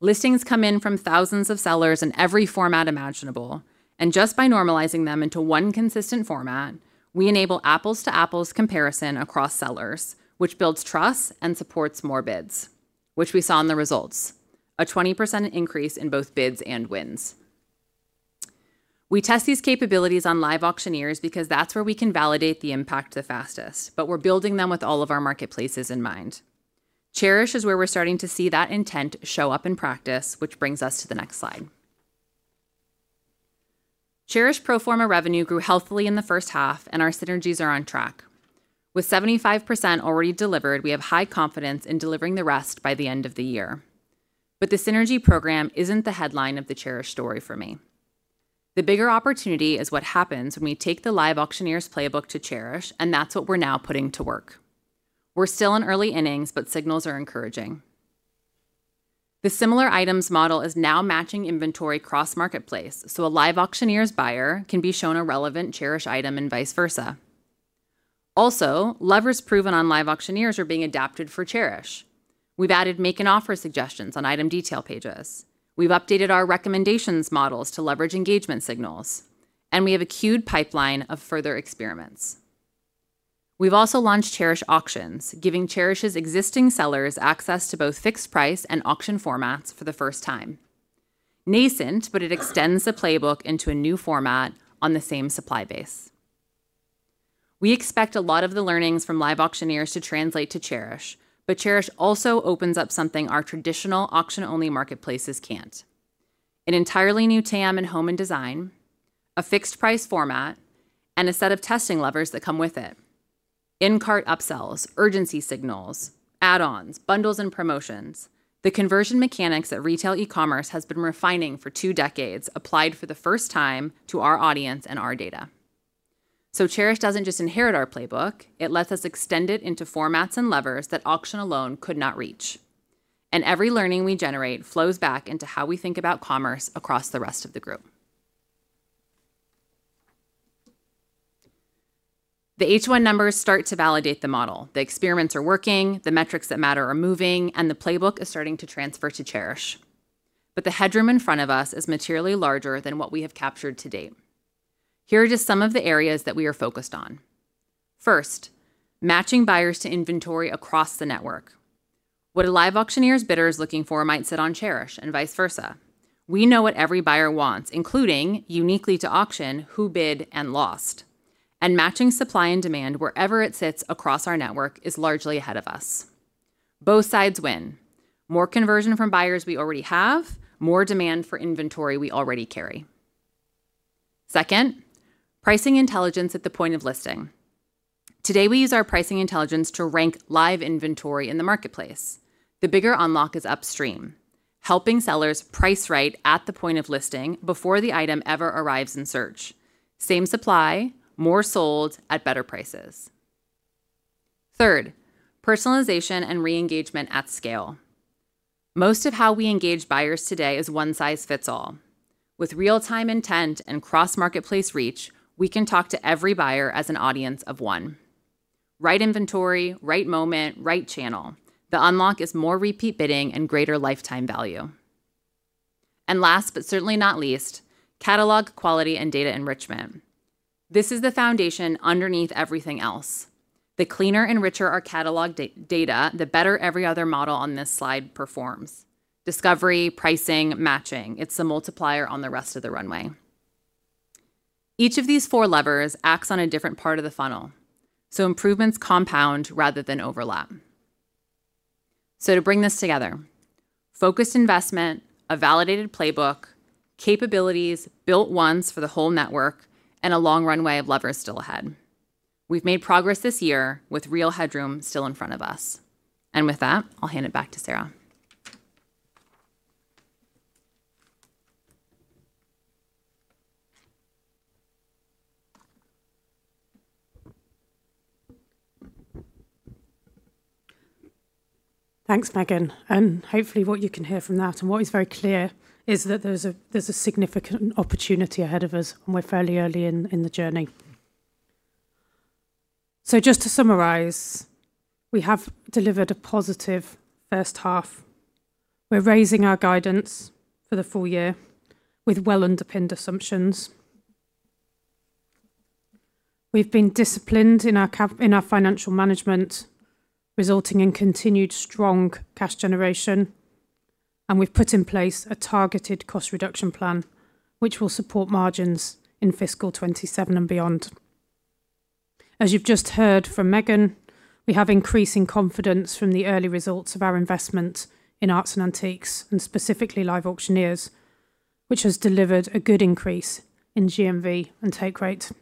Listings come in from thousands of sellers in every format imaginable, and just by normalizing them into one consistent format, we enable apples to apples comparison across sellers, which builds trust and supports more bids, which we saw in the results, a 20% increase in both bids and wins. We test these capabilities on LiveAuctioneers because that's where we can validate the impact the fastest, but we're building them with all of our marketplaces in mind. Chairish is where we're starting to see that intent show up in practice, which brings us to the next slide. Chairish pro forma revenue grew healthily in the first half, and our synergies are on track. With 75% already delivered, we have high confidence in delivering the rest by the end of the year. The synergy program isn't the headline of the Chairish story for me. The bigger opportunity is what happens when we take the LiveAuctioneers playbook to Chairish, and that's what we're now putting to work. We're still in early innings, but signals are encouraging. The similar items model is now matching inventory cross-marketplace, so a LiveAuctioneers buyer can be shown a relevant Chairish item, and vice versa. Also, levers proven on LiveAuctioneers are being adapted for Chairish. We've added make an offer suggestions on item detail pages. We've updated our recommendations models to leverage engagement signals, and we have a queued pipeline of further experiments. We've also launched Chairish Auctions, giving Chairish's existing sellers access to both fixed price and auction formats for the first time. Nascent, but it extends the playbook into a new format on the same supply base. We expect a lot of the learnings from LiveAuctioneers to translate to Chairish, but Chairish also opens up something our traditional auction-only marketplaces can't: an entirely new TAM in home and design, a fixed price format, and a set of testing levers that come with it. In-cart upsells, urgency signals, add-ons, bundles and promotions. The conversion mechanics that retail e-commerce has been refining for two decades applied for the first time to our audience and our data. Chairish doesn't just inherit our playbook, it lets us extend it into formats and levers that auction alone could not reach. Every learning we generate flows back into how we think about commerce across the rest of the group. The H1 numbers start to validate the model. The experiments are working, the metrics that matter are moving, and the playbook is starting to transfer to Chairish. The headroom in front of us is materially larger than what we have captured to date. Here are just some of the areas that we are focused on. First, matching buyers to inventory across the network. What a LiveAuctioneers bidder is looking for might sit on Chairish, and vice versa. We know what every buyer wants, including, uniquely to auction, who bid and lost. Matching supply and demand wherever it sits across our network is largely ahead of us. Both sides win. More conversion from buyers we already have, more demand for inventory we already carry. Second, pricing intelligence at the point of listing. Today, we use our pricing intelligence to rank live inventory in the marketplace. The bigger unlock is upstream, helping sellers price right at the point of listing before the item ever arrives in search. Same supply, more sold at better prices. Third, personalization and re-engagement at scale. Most of how we engage buyers today is one size fits all. With real-time intent and cross-marketplace reach, we can talk to every buyer as an audience of one. Right inventory, right moment, right channel. The unlock is more repeat bidding and greater lifetime value. Last, but certainly not least, catalog quality and data enrichment. This is the foundation underneath everything else. The cleaner and richer our catalog data, the better every other model on this slide performs. Discovery, pricing, matching. It's the multiplier on the rest of the runway. Each of these four levers acts on a different part of the funnel, so improvements compound rather than overlap. To bring this together, focused investment, a validated playbook, capabilities built once for the whole network, and a long runway of levers still ahead. We've made progress this year with real headroom still in front of us. With that, I'll hand it back to Sarah.
Thanks, Meghan. Hopefully what you can hear from that, and what is very clear, is that there's a, there's a significant opportunity ahead of us, and we're fairly early in the journey. Just to summarize, we have delivered a positive first half. We're raising our guidance for the full-year with well-underpinned assumptions. We've been disciplined in our financial management, resulting in continued strong cash generation, and we've put in place a targeted cost reduction plan, which will support margins in fiscal 2027 and beyond. As you've just heard from Meghan, we have increasing confidence from the early results of our investment in arts and antiques, and specifically LiveAuctioneers, which has delivered a good increase in GMV and take rate.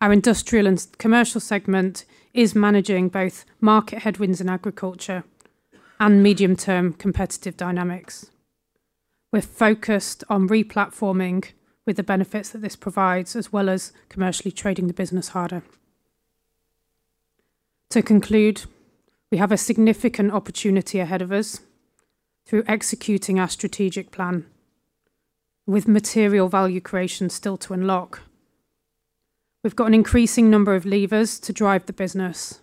Our Industrial & Commercial segment is managing both market headwinds in agriculture and medium-term competitive dynamics. We're focused on re-platforming with the benefits that this provides, as well as commercially trading the business harder. To conclude, we have a significant opportunity ahead of us through executing our strategic plan, with material value creation still to unlock. We've got an increasing number of levers to drive the business,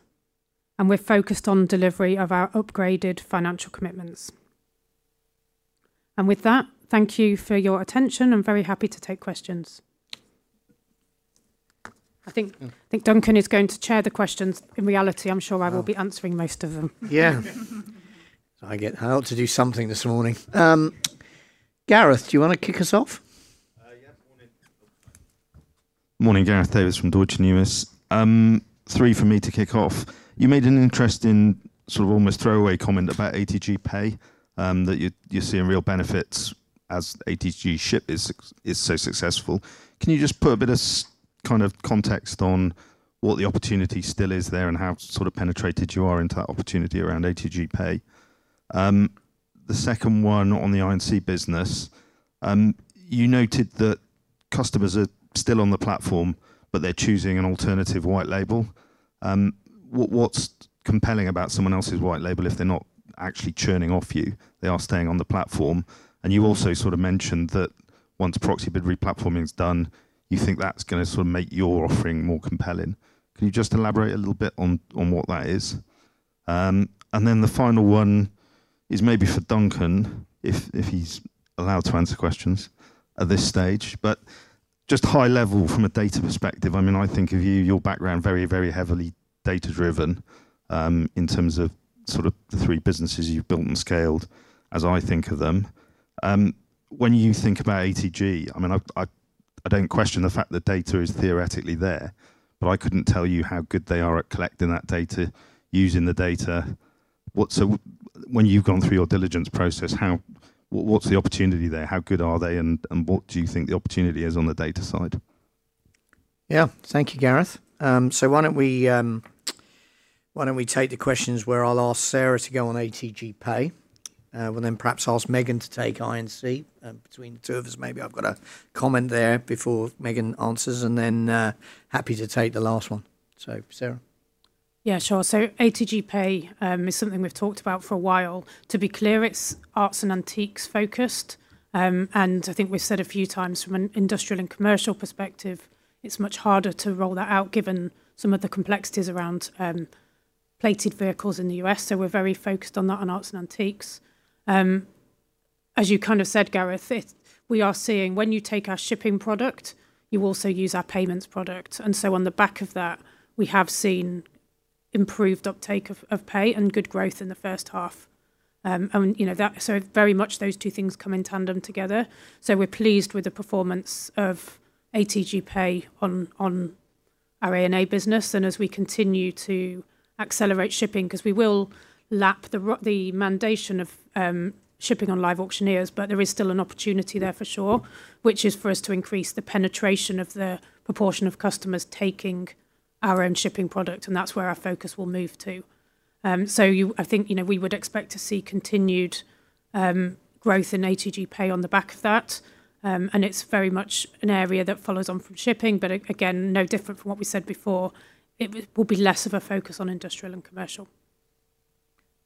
and we're focused on delivery of our upgraded financial commitments. With that, thank you for your attention. I'm very happy to take questions. I think Duncan is going to chair the questions. In reality, I'm sure I will be answering most of them.
Yeah. I ought to do something this morning. Gareth, do you wanna kick us off?
Yeah. Morning. Morning. Gareth Davies from Deutsche Numis. Three for me to kick off. You made an interesting, sort of almost throwaway comment about atgPay, that you're seeing real benefits as atgShip is so successful. Can you just put a bit of kind of context on what the opportunity still is there and how sort of penetrated you are into that opportunity around atgPay? The second one on the I&C business, you noted that customers are still on the platform, but they're choosing an alternative white label. What's compelling about someone else's white label if they're not actually churning off you? They are staying on the platform. You also sort of mentioned that once Proxibid re-platforming is done, you think that's gonna sort of make your offering more compelling. Can you just elaborate a little bit on what that is? The final one is maybe for Duncan if he's allowed to answer questions at this stage. Just high level from a data perspective, I mean, I think of you, your background, very heavily data-driven, in terms of sort of the three businesses you've built and scaled as I think of them. When you think about ATG, I mean, I don't question the fact that data is theoretically there, but I couldn't tell you how good they are at collecting that data, using the data. When you've gone through your diligence process, what's the opportunity there? How good are they, and what do you think the opportunity is on the data side?
Yeah. Thank you, Gareth. Why don't we take the questions where I'll ask Sarah to go on atgPay? We'll then perhaps ask Meghan to take I&C. Between the two of us, maybe I've got a comment there before Meghan answers, and then happy to take the last one. Sarah.
Yeah, sure. atgPay is something we've talked about for a while. To be clear, it's Arts & Antiques focused. And I think we've said a few times from an Industrial & Commercial perspective, it's much harder to roll that out given some of the complexities around titled vehicles in the U.S. We're very focused on that, on Arts & Antiques. As you kind of said, Gareth, we are seeing when you take our shipping product, you also use our payments product. On the back of that, we have seen improved uptake of atgPay and good growth in the first half. And, you know, very much those two things come in tandem together. We're pleased with the performance of atgPay on our A&A business, and as we continue to accelerate shipping, 'cause we will lap the mandation of shipping on LiveAuctioneers, but there is still an opportunity there for sure, which is for us to increase the penetration of the proportion of customers taking our own shipping product, and that's where our focus will move to. I think, you know, we would expect to see continued growth in atgPay on the back of that. It's very much an area that follows on from shipping, but again, no different from what we said before, it will be less of a focus on Industrial and Commercial.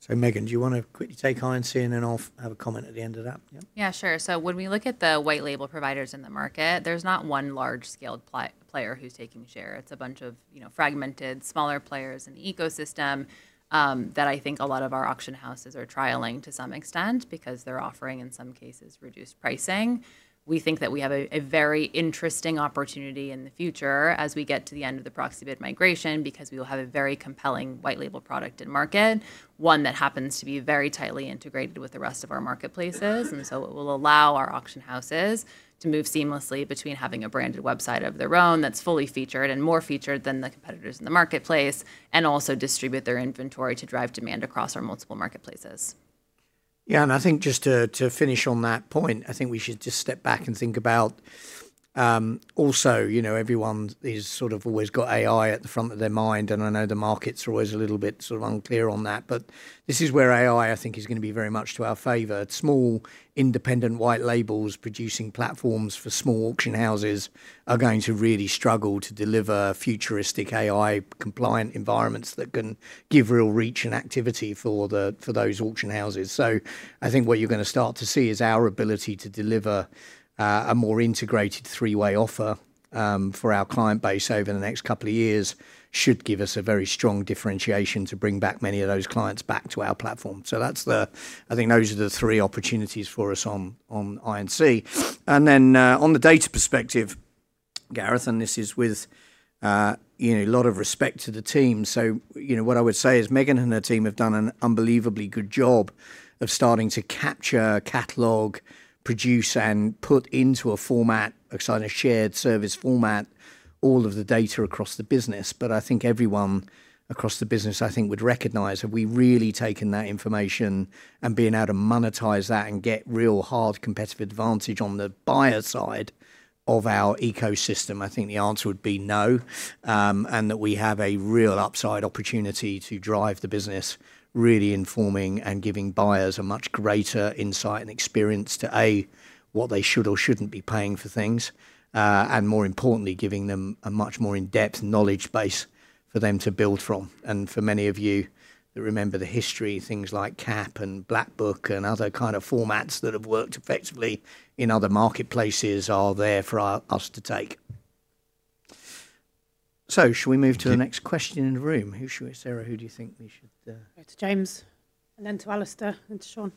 Meghan, do you wanna quickly take I&C and then I'll have a comment at the end of that? Yeah.
Yeah, sure. When we look at the white label providers in the market, there's not one large-scaled player who's taking share. It's a bunch of, you know, fragmented smaller players in the ecosystem that I think a lot of our auction houses are trialing to some extent because they're offering, in some cases, reduced pricing. We think that we have a very interesting opportunity in the future as we get to the end of the Proxibid migration because we will have a very compelling white label product in market, one that happens to be very tightly integrated with the rest of our marketplaces. It will allow our auction houses to move seamlessly between having a branded website of their own that's fully featured and more featured than the competitors in the marketplace, and also distribute their inventory to drive demand across our multiple marketplaces.
Yeah, I think just to finish on that point, I think we should just step back and think about, also, you know, everyone has sort of always got AI at the front of their mind, I know the market's always a little bit sort of unclear on that. This is where AI, I think, is going to be very much to our favor. Small, independent white labels producing platforms for small auction houses are going to really struggle to deliver futuristic AI-compliant environments that can give real reach and activity for those auction houses. I think what you're going to start to see is our ability to deliver, a more integrated three way offer, for our client base over the next couple of years should give us a very strong differentiation to bring back many of those clients back to our platform. I think those are the three opportunities for us on I&C. On the data perspective, Gareth, and this is with, you know, a lot of respect to the team. You know, what I would say is Meghan and her team have done an unbelievably good job of starting to capture, catalog, produce, and put into a format, a kind of shared service format, all of the data across the business. I think everyone across the business, I think, would recognize, have we really taken that information and been able to monetize that and get real hard competitive advantage on the buyer side of our ecosystem? I think the answer would be no. That we have a real upside opportunity to drive the business, really informing and giving buyers a much greater insight and experience to, A, what they should or shouldn't be paying for things, and more importantly, giving them a much more in-depth knowledge base for them to build from. For many of you that remember the history, things like CAP and Black Book and other kind of formats that have worked effectively in other marketplaces are there for our, us to take. Shall we move to the next question in the room? Sarah, who do you think we should-
Go to James, and then to Alastair, and to Sean.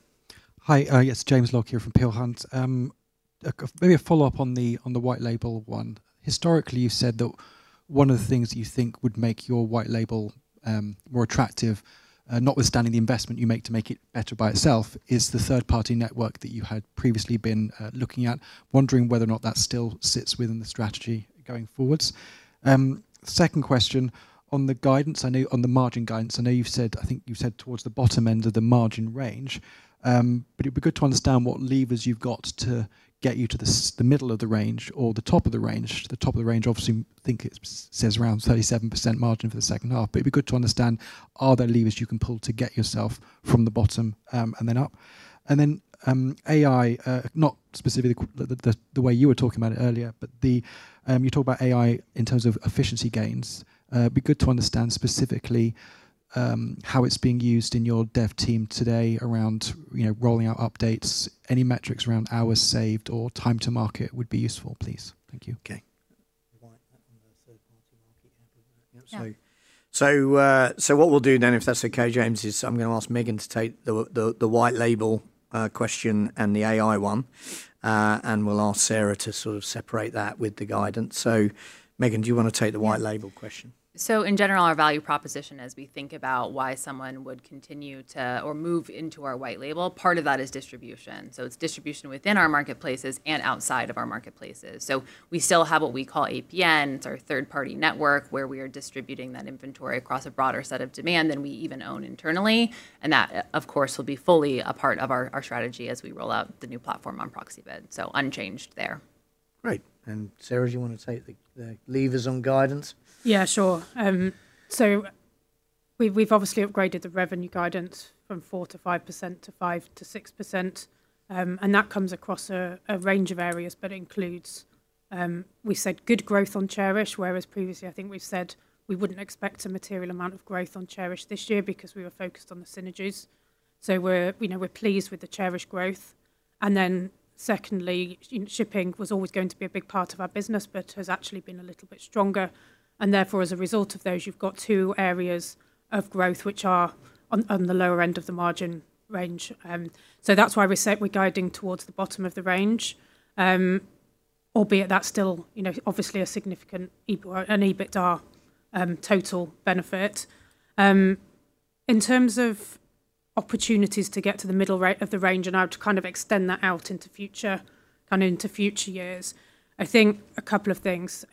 Hi. Yes, James Lockyer here from Peel Hunt. Maybe a follow-up on the white label one. Historically, you've said that one of the things you think would make your white label more attractive, notwithstanding the investment you make to make it better by itself, is the third-party network that you had previously been looking at. Wondering whether or not that still sits within the strategy going forwards. Second question, on the guidance, on the margin guidance, I know you've said, I think you've said towards the bottom end of the margin range. It'd be good to understand what levers you've got to get you to the middle of the range or the top of the range. The top of the range, obviously, think it says around 37% margin for the second half. It'd be good to understand, are there levers you can pull to get yourself from the bottom and then up? Then, AI, not specifically the way you were talking about it earlier, but you talk about AI in terms of efficiency gains. It'd be good to understand specifically how it's being used in your dev team today around, you know, rolling out updates. Any metrics around hours saved or time to market would be useful, please. Thank you.
Okay. White label versus third party market.
Yeah.
What we'll do then, if that's okay, James, is I'm gonna ask Meghan to take the white label question and the AI one, and we'll ask Sarah to sort of separate that with the guidance. Meghan, do you wanna take the white label question?
In general, our value proposition as we think about why someone would continue to or move into our white label, part of that is distribution. It's distribution within our marketplaces and outside of our marketplaces. We still have what we call APN. It's our third-party network, where we are distributing that inventory across a broader set of demand than we even own internally. That, of course, will be fully a part of our strategy as we roll out the new platform on Proxibid. Unchanged there.
Great. Sarah, do you wanna take the levers on guidance?
Yeah, sure. We've obviously upgraded the revenue guidance from 4%-5% to 5%-6%, that comes across a range of areas, but includes, we said good growth on Chairish, whereas previously I think we've said we wouldn't expect a material amount of growth on Chairish this year because we were focused on the synergies. We're, you know, we're pleased with the Chairish growth. Then secondly, shipping was always going to be a big part of our business, but has actually been a little bit stronger. Therefore, as a result of those, you've got two areas of growth which are on the lower end of the margin range. That's why we said we're guiding towards the bottom of the range. Albeit that's still, you know, obviously a significant an EBITDA total benefit. In terms of opportunities to get to the middle of the range and now to kind of extend that out into future and into future years, I think a couple of things.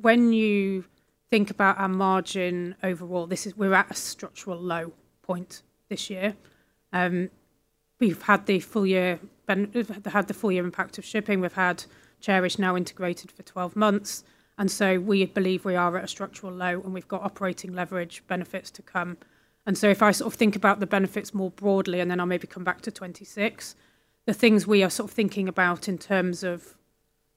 When you think about our margin overall, we're at a structural low point this year. We've had the full-year impact of shipping. We've had Chairish now integrated for 12 months, and so we believe we are at a structural low, and we've got operating leverage benefits to come. If I sort of think about the benefits more broadly, then I'll maybe come back to 2026, the things we are sort of thinking about in terms of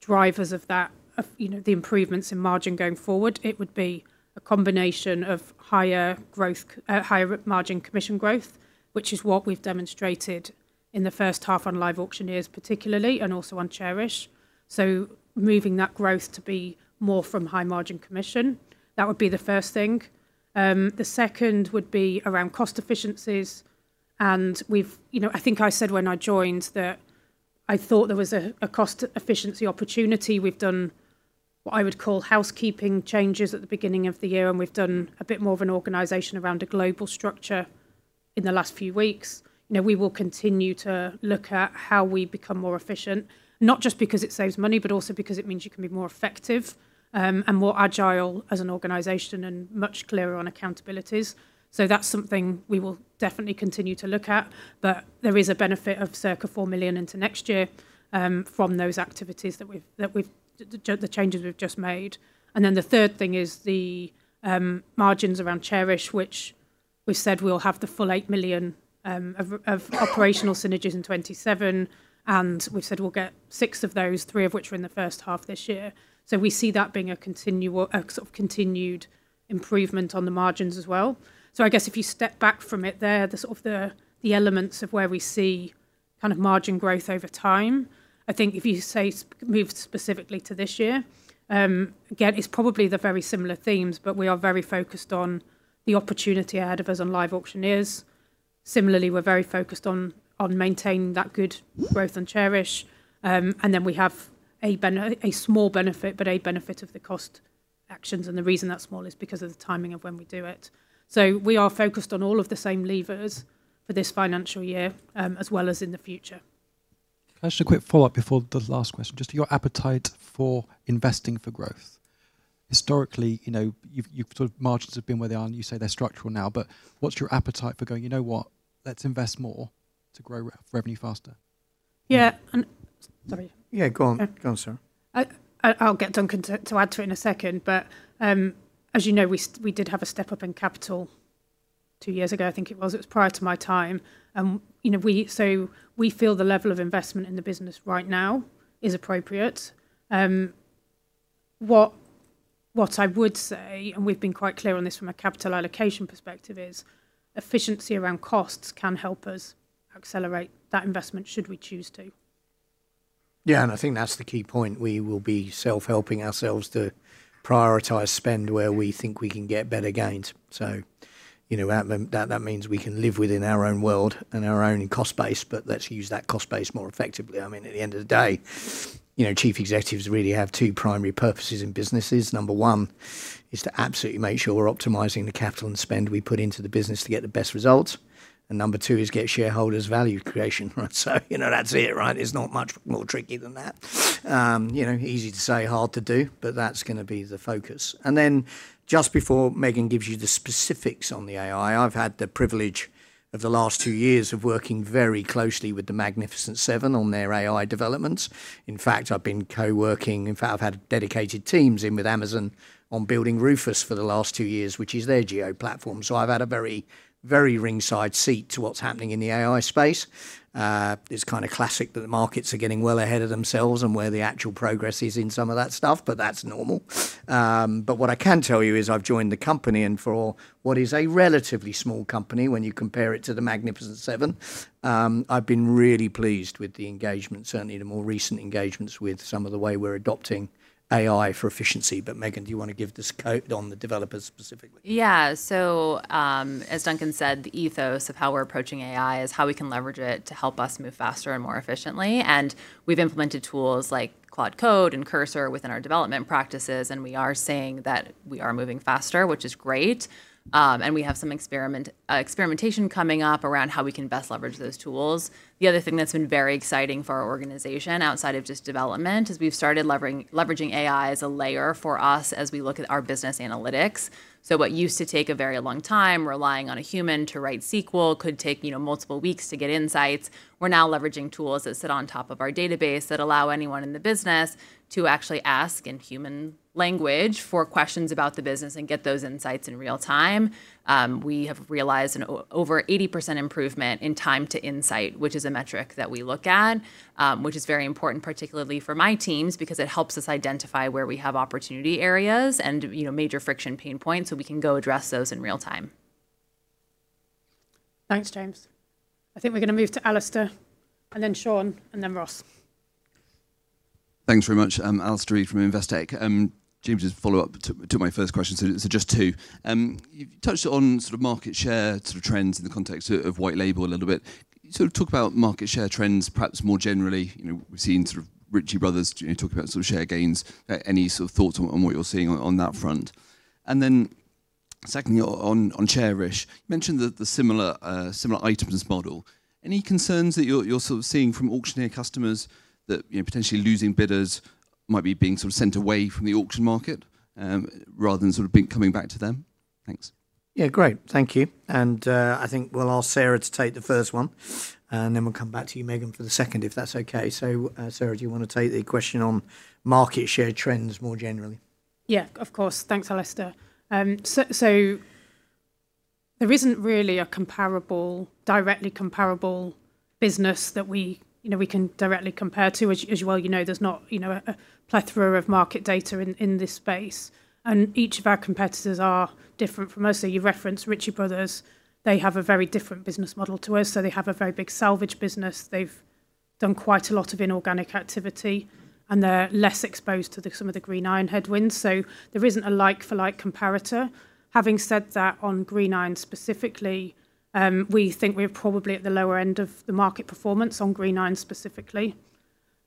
drivers of that, of, you know, the improvements in margin going forward, it would be a combination of higher growth, higher margin commission growth, which is what we've demonstrated in the first half on LiveAuctioneers particularly and also on Chairish. Moving that growth to be more from high margin commission, that would be the first thing. The second would be around cost efficiencies, You know, I think I said when I joined that I thought there was a cost efficiency opportunity. We've done what I would call housekeeping changes at the beginning of the year, and we've done a bit more of an organization around a global structure in the last few weeks. You know, we will continue to look at how we become more efficient, not just because it saves money, but also because it means you can be more effective, and more agile as an organization and much clearer on accountabilities. That's something we will definitely continue to look at. There is a benefit of circa 4 million into next year from those activities that we've the changes we've just made. The third thing is the margins around Chairish, which we've said we'll have the full 8 million of operational synergies in 2027, and we've said we'll get 6 of those, 3 of which were in the first half this year. We see that being a continual, sort of continued improvement on the margins as well. I guess if you step back from it there, the sort of the elements of where we see kind of margin growth over time, I think if you move specifically to this year, again, it's probably the very similar themes, but we are very focused on the opportunity ahead of us on LiveAuctioneers. Similarly, we're very focused on maintaining that good growth on Chairish. We have a small benefit, but a benefit of the cost actions, and the reason that's small is because of the timing of when we do it. We are focused on all of the same levers for this financial year as well as in the future.
Actually, a quick follow-up before the last question. Just your appetite for investing for growth. Historically, you know, you've sort of margins have been where they are, and you say they're structural now, but what's your appetite for going, you know what? Let's invest more to grow re-revenue faster?
Yeah. Sorry.
Yeah, go on.
Okay.
Go on, Sarah.
I'll get Duncan to add to it in a second. As you know, we did have a step-up in capital two years ago, I think it was. It was prior to my time. You know, we feel the level of investment in the business right now is appropriate. What I would say, and we've been quite clear on this from a capital allocation perspective, is efficiency around costs can help us accelerate that investment should we choose to.
Yeah, I think that's the key point. We will be self-helping ourselves to prioritize spend where we think we can get better gains. You know, that means we can live within our own world and our own cost base, but let's use that cost base more effectively. I mean, at the end of the day, you know, chief executives really have two primary purposes in businesses. Number one is to absolutely make sure we're optimizing the capital and spend we put into the business to get the best results, and number two is get shareholders value creation, right? You know, that's it, right? It's not much more tricky than that. You know, easy to say, hard to do, but that's gonna be the focus. Just before Meghan gives you the specifics on the AI, I've had the privilege of the last two years of working very closely with The Magnificent Seven on their AI developments. In fact, I've been co-working. In fact, I've had dedicated teams in with Amazon on building Rufus for the last two years, which is their GenAI platform. I've had a very, very ringside seat to what's happening in the AI space. It's kinda classic that the markets are getting well ahead of themselves and where the actual progress is in some of that stuff, but that's normal. What I can tell you is I've joined the company, and for what is a relatively small company when you compare it to The Magnificent Seven, I've been really pleased with the engagement, certainly the more recent engagements with some of the way we're adopting AI for efficiency. Meghan, do you wanna give the scope on the developers specifically?
Yeah. As Duncan said, the ethos of how we're approaching AI is how we can leverage it to help us move faster and more efficiently. We've implemented tools like Claude Code and Cursor within our development practices, and we are seeing that we are moving faster, which is great. We have some experimentation coming up around how we can best leverage those tools. The other thing that's been very exciting for our organization outside of just development is we've started leveraging AI as a layer for us as we look at our business analytics. What used to take a very long time, relying on a human to write SQL, could take, you know, multiple weeks to get insights. We're now leveraging tools that sit on top of our database that allow anyone in the business to actually ask in human language for questions about the business and get those insights in real time. We have realized over 80% improvement in time to insight, which is a metric that we look at, which is very important, particularly for my teams, because it helps us identify where we have opportunity areas and, you know, major friction pain points, so we can go address those in real time.
Thanks, James. I think we're gonna move to Alastair, and then Sean, and then Ross.
Thanks very much. I'm Alastair Reid from Investec. James' follow-up to my first question. Just two. You've touched on sort of market share sort of trends in the context of white label a little bit. Can you sort of talk about market share trends perhaps more generally? You know, we've seen sort of Ritchie Bros., you know, talk about sort of share gains. Any sort of thoughts on what you're seeing on that front? Second, on Chairish, you mentioned the similar items model. Any concerns that you're sort of seeing from auctioneer customers that, you know, potentially losing bidders might be sort of sent away from the auction market, rather than sort of coming back to them? Thanks.
Yeah, great. Thank you. I think we'll ask Sarah to take the first one, then we'll come back to you, Meghan, for the second, if that's okay. Sarah, do you wanna take the question on market share trends more generally?
Yeah, of course. Thanks, Alastair. There isn't really a comparable, directly comparable business that we, you know, we can directly compare to, which, as you well you know, there's not, you know, a plethora of market data in this space, and each of our competitors are different from us. You reference Ritchie Bros., they have a very different business model to us. They have a very big salvage business. They've done quite a lot of inorganic activity, and they're less exposed to some of the green iron headwinds. There isn't a like for like comparator. Having said that, on green iron specifically, we think we're probably at the lower end of the market performance on green iron specifically.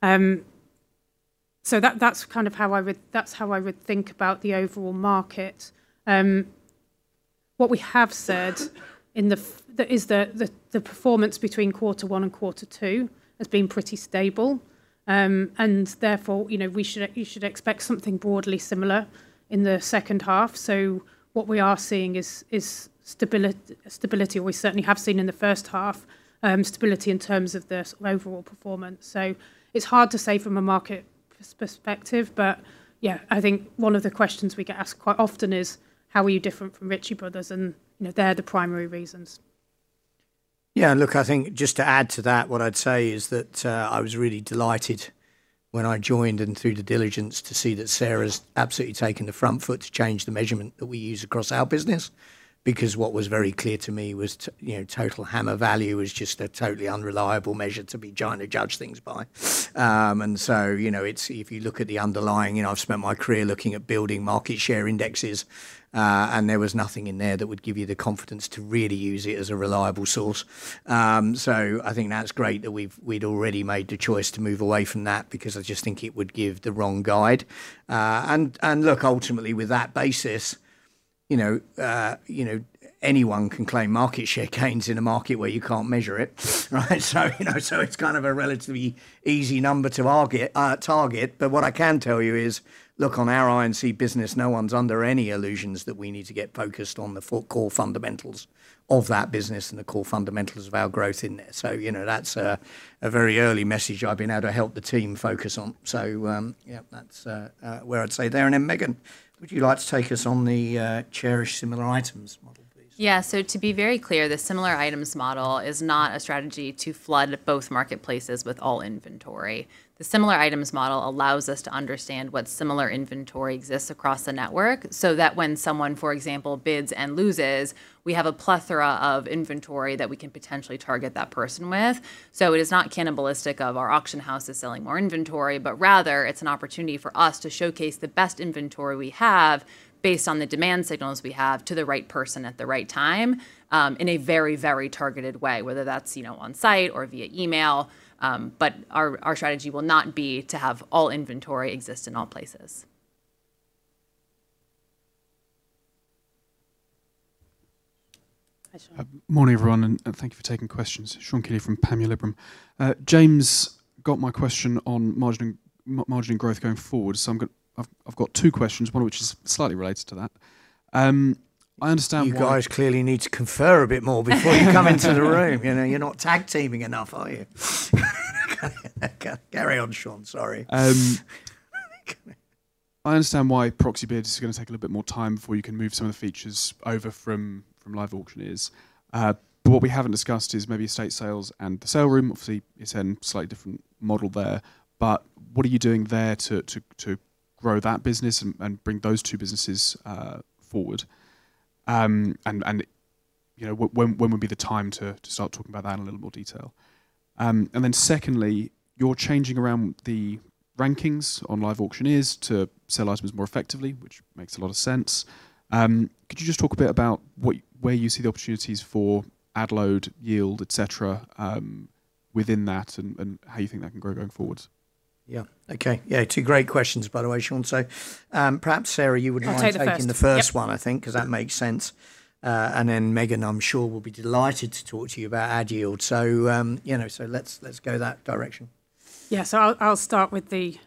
That's kind of how I would think about the overall market. What we have said is the performance between quarter one and quarter two has been pretty stable. You know, you should expect something broadly similar in the second half. What we are seeing is stability, or we certainly have seen in the first half, stability in terms of the sort of overall performance. It's hard to say from a market perspective. I think one of the questions we get asked quite often is, how are you different from Ritchie Bros.? You know, they're the primary reasons.
Yeah, look, I think just to add to that, what I'd say is that, I was really delighted when I joined and through due diligence to see that Sarah's absolutely taken the front foot to change the measurement that we use across our business. What was very clear to me was you know, total hammer value is just a totally unreliable measure to be trying to judge things by. You know, if you look at the underlying, you know, I've spent my career looking at building market share indexes, and there was nothing in there that would give you the confidence to really use it as a reliable source. I think that's great that we'd already made the choice to move away from that, because I just think it would give the wrong guide. And look, ultimately with that basis, you know, you know, anyone can claim market share gains in a market where you can't measure it, right? You know, so it's kind of a relatively easy number to target. What I can tell you is, look, on our I&C business, no one's under any illusions that we need to get focused on the core fundamentals of that business and the core fundamentals of our growth in there. You know, that's a very early message I've been able to help the team focus on. Yeah, that's where I'd say there. Meghan, would you like to take us on the Chairish similar items model, please?
Yeah. To be very clear, the similar items model is not a strategy to flood both marketplaces with all inventory. The similar items model allows us to understand what similar inventory exists across the network, so that when someone, for example, bids and loses, we have a plethora of inventory that we can potentially target that person with. It is not cannibalistic of our auction house is selling more inventory, but rather it's an opportunity for us to showcase the best inventory we have based on the demand signals we have to the right person at the right time, in a very, very targeted way, whether that's, you know, on site or via email. Our strategy will not be to have all inventory exist in all places.
Hi, Sean.
Morning, everyone, and thank you for taking questions. Sean Kealy from Panmure Gordon. James got my question on margin growth going forward. I've got two questions, one of which is slightly related to that. I understand why-
You guys clearly need to confer a bit more before you come into the room. You know, you're not tag teaming enough, are you? Carry on, Sean. Sorry.
I understand why Proxibid is going to take a little bit more time before you can move some of the features over from LiveAuctioneers. What we haven't discussed is maybe EstateSales.NET and thesaleroom.com. Obviously, it's a slightly different model there. What are you doing there to grow that business and bring those two businesses forward? You know, when would be the time to start talking about that in a little more detail? Secondly, you're changing around the rankings on LiveAuctioneers to sell items more effectively, which makes a lot of sense. Could you just talk a bit about where you see the opportunities for ad load, yield, et cetera, within that and how you think that can grow going forward?
Yeah. Okay. Yeah, two great questions, by the way, Sean. Perhaps, Sarah, you would mind.
I'll take the first.
taking the first one.
Yep
I think, 'cause that makes sense. Then Meghan, I'm sure, will be delighted to talk to you about ad yield. You know, let's go that direction.
Yeah, I'll start with the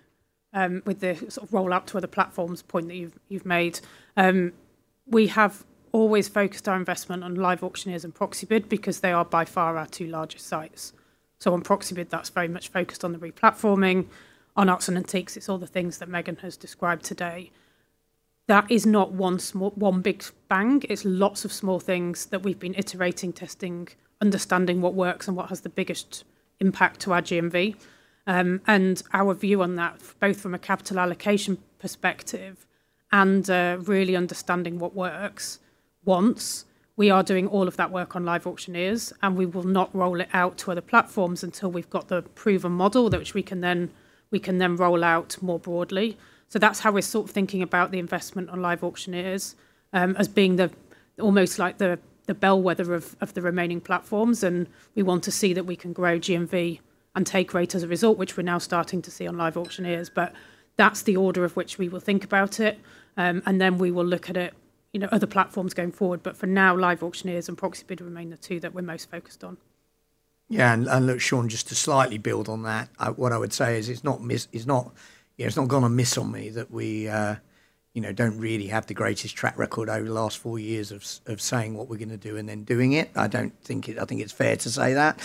sort of roll out to other platforms point that you've made. We have always focused our investment on LiveAuctioneers and Proxibid because they are by far our two largest sites. On Proxibid, that's very much focused on the re-platforming. On Arts & Antiques, it's all the things that Meghan has described today. That is not one big bang. It's lots of small things that we've been iterating, testing, understanding what works and what has the biggest impact to our GMV. And our view on that, both from a capital allocation perspective and really understanding what works. Once we are doing all of that work on LiveAuctioneers, and we will not roll it out to other platforms until we've got the proven model that which we can then roll out more broadly. That's how we're sort of thinking about the investment on LiveAuctioneers as being the almost like the bellwether of the remaining platforms, and we want to see that we can grow GMV and take rate as a result, which we're now starting to see on LiveAuctioneers. That's the order of which we will think about it. Then we will look at it, you know, other platforms going forward. For now, LiveAuctioneers and Proxibid remain the two that we're most focused on.
Yeah. Look, Sean, just to slightly build on that, what I would say is It's not, you know, it's not gonna miss on me that we, you know, don't really have the greatest track record over the last four years of saying what we're gonna do and then doing it. I think it's fair to say that,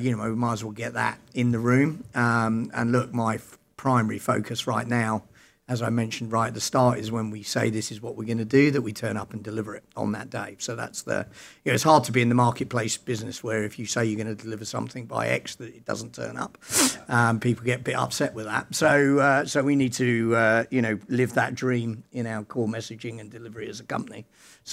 you know, we might as well get that in the room. Look, my primary focus right now, as I mentioned right at the start, is when we say this is what we're gonna do, that we turn up and deliver it on that day. That's the You know, it's hard to be in the marketplace business where if you say you're gonna deliver something by X, that it doesn't turn up. People get a bit upset with that. We need to, you know, live that dream in our core messaging and delivery as a company.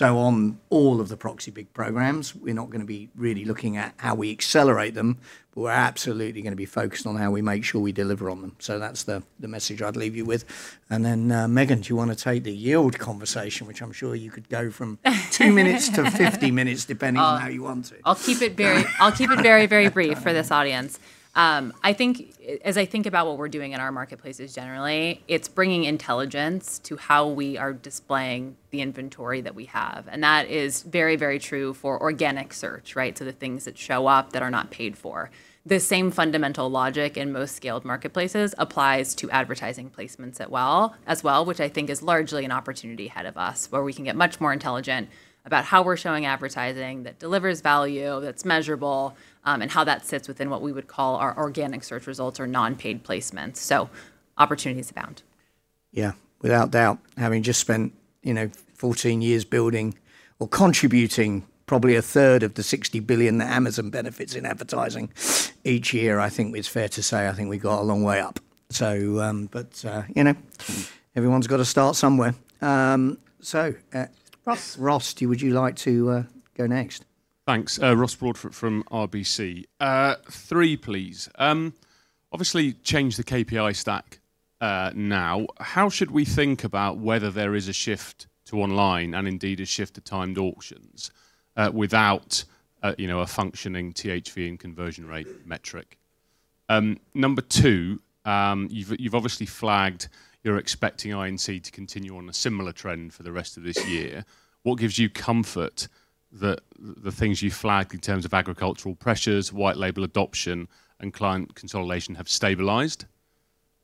On all of the Proxibid programs, we are not gonna be really looking at how we accelerate them, but we're absolutely gonna be focused on how we make sure we deliver on them. That's the message I'd leave you with. Then, Meghan, do you want to take the yield conversation, which I'm sure you could go from two minutes to 50 minutes depending on how you want to.
I'll keep it very brief for this audience. I think, as I think about what we're doing in our marketplaces generally, it's bringing intelligence to how we are displaying the inventory that we have, and that is very true for organic search, right? So the things that show up that are not paid for. The same fundamental logic in most scaled marketplaces applies to advertising placements as well, which I think is largely an opportunity ahead of us, where we can get much more intelligent about how we're showing advertising that delivers value, that's measurable, and how that sits within what we would call our organic search results or non-paid placements. So opportunities abound.
Yeah, without doubt. Having just spent, you know, 14 years building or contributing probably a third of the 60 billion that Amazon benefits in advertising each year, I think it's fair to say I think we got a long way up. You know, everyone's gotta start somewhere.
Ross
Ross, would you like to go next?
Thanks. Ross Broadfoot from RBC. Three please. obviously changed the KPI stack now. How should we think about whether there is a shift to online and indeed a shift to timed auctions without, you know, a functioning THV and conversion rate metric? Number two, you've obviously flagged you're expecting I&C to continue on a similar trend for the rest of this year. What gives you comfort that the things you flagged in terms of agricultural pressures, white label adoption, and client consolidation have stabilized?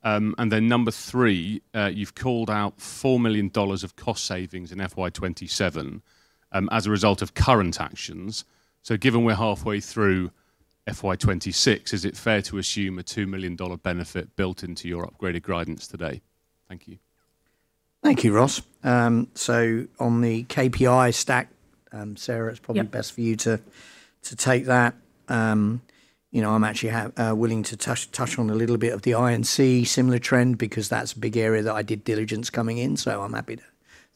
Number three, you've called out GBP 4 million of cost savings in FY 2027 as a result of current actions. Given we're halfway through FY 2026, is it fair to assume a GBP 2 million benefit built into your upgraded guidance today? Thank you.
Thank you, Ross. On the KPI stack, Sarah.
Yeah
best for you to take that. You know, I'm actually willing to touch on a little bit of the I&C similar trend because that's a big area that I did diligence coming in, so I'm happy to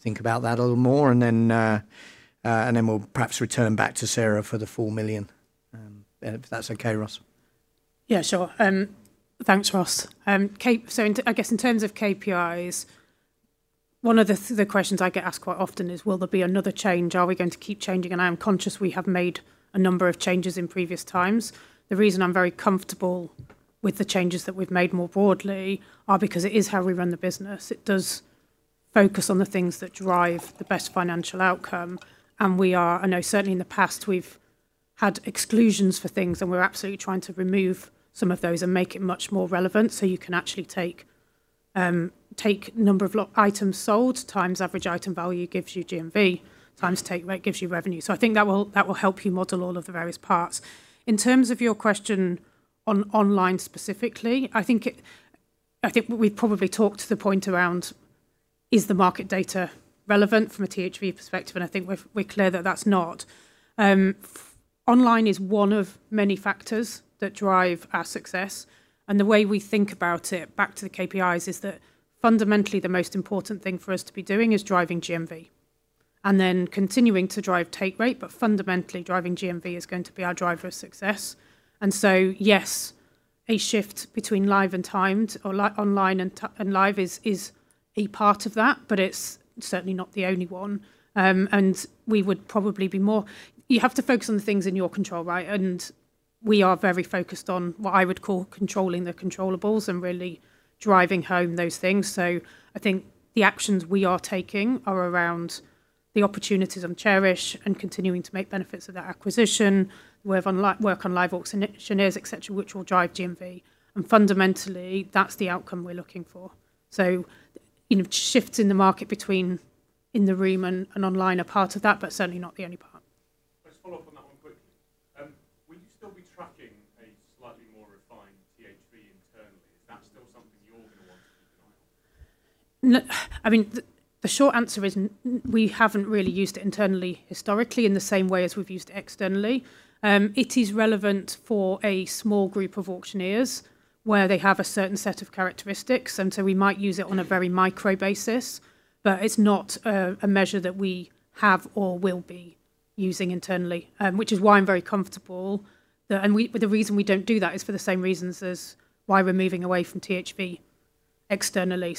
think about that a little more and then we'll perhaps return back to Sarah for the 4 million. If that's okay, Ross.
Yeah, sure. Thanks, Ross. I guess in terms of KPIs, one of the questions I get asked quite often is, will there be another change? Are we going to keep changing? I am conscious we have made a number of changes in previous times. The reason I'm very comfortable with the changes that we've made more broadly are because it is how we run the business. It does focus on the things that drive the best financial outcome. We are I know certainly in the past we've had exclusions for things. We're absolutely trying to remove some of those and make it much more relevant. You can actually take number of items sold times average item value gives you GMV, times take rate gives you revenue. I think that will help you model all of the various parts. In terms of your question on online specifically, I think we've probably talked to the point around, is the market data relevant from a THV perspective? I think we're clear that that's not. Online is one of many factors that drive our success, and the way we think about it, back to the KPIs, is that fundamentally the most important thing for us to be doing is driving GMV and then continuing to drive take rate, but fundamentally driving GMV is going to be our driver of success. Yes, a shift between live and timed or online and live is a part of that, but it's certainly not the only one. You have to focus on the things in your control, right? We are very focused on what I would call controlling the controllables and really driving home those things. I think the actions we are taking are around the opportunities on Chairish and continuing to make benefits of that acquisition. We have on work on LiveAuctioneers, et cetera, which will drive GMV. Fundamentally, that's the outcome we're looking for. You know, shifts in the market between in the room and online are part of that, but certainly not the only part.
Let's follow up on that one quickly. Will you still be tracking a slightly more refined THV internally? Is that still something you're gonna want to keep an eye on?
I mean, the short answer is we haven't really used it internally historically in the same way as we've used externally. It is relevant for a small group of auctioneers where they have a certain set of characteristics, and so we might use it on a very micro basis. It's not a measure that we have or will be using internally. Which is why I'm very comfortable that the reason we don't do that is for the same reasons as why we're moving away from THV externally.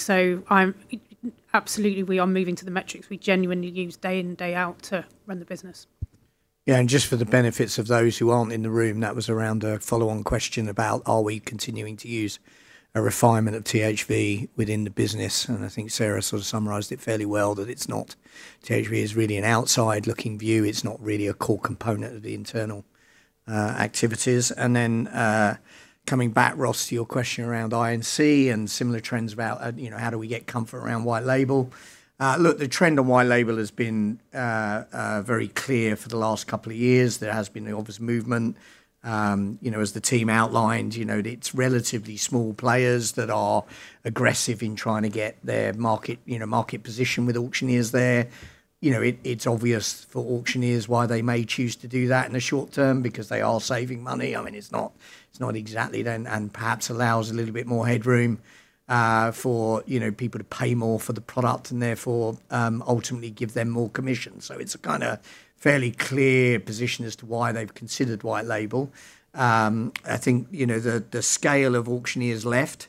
Absolutely, we are moving to the metrics we genuinely use day in, day out to run the business.
Yeah. Just for the benefits of those who aren't in the room, that was around a follow-on question about are we continuing to use a refinement of THV within the business. I think Sarah sort of summarized it fairly well that it's not. THV is really an outside-looking view. It's not really a core component of the internal activities. Then, coming back, Ross, to your question around I&C and similar trends about, you know, how do we get comfort around white label. Look, the trend on white label has been very clear for the last couple of years. There has been the obvious movement. You know, as the team outlined, you know, it's relatively small players that are aggressive in trying to get their market, you know, market position with auctioneers there. You know, it's obvious for auctioneers why they may choose to do that in the short term because they are saving money. I mean, it's not exactly then, and perhaps allows a little bit more headroom for, you know, people to pay more for the product and therefore, ultimately give them more commission. It's a kinda fairly clear position as to why they've considered white label. I think, you know, the scale of auctioneers left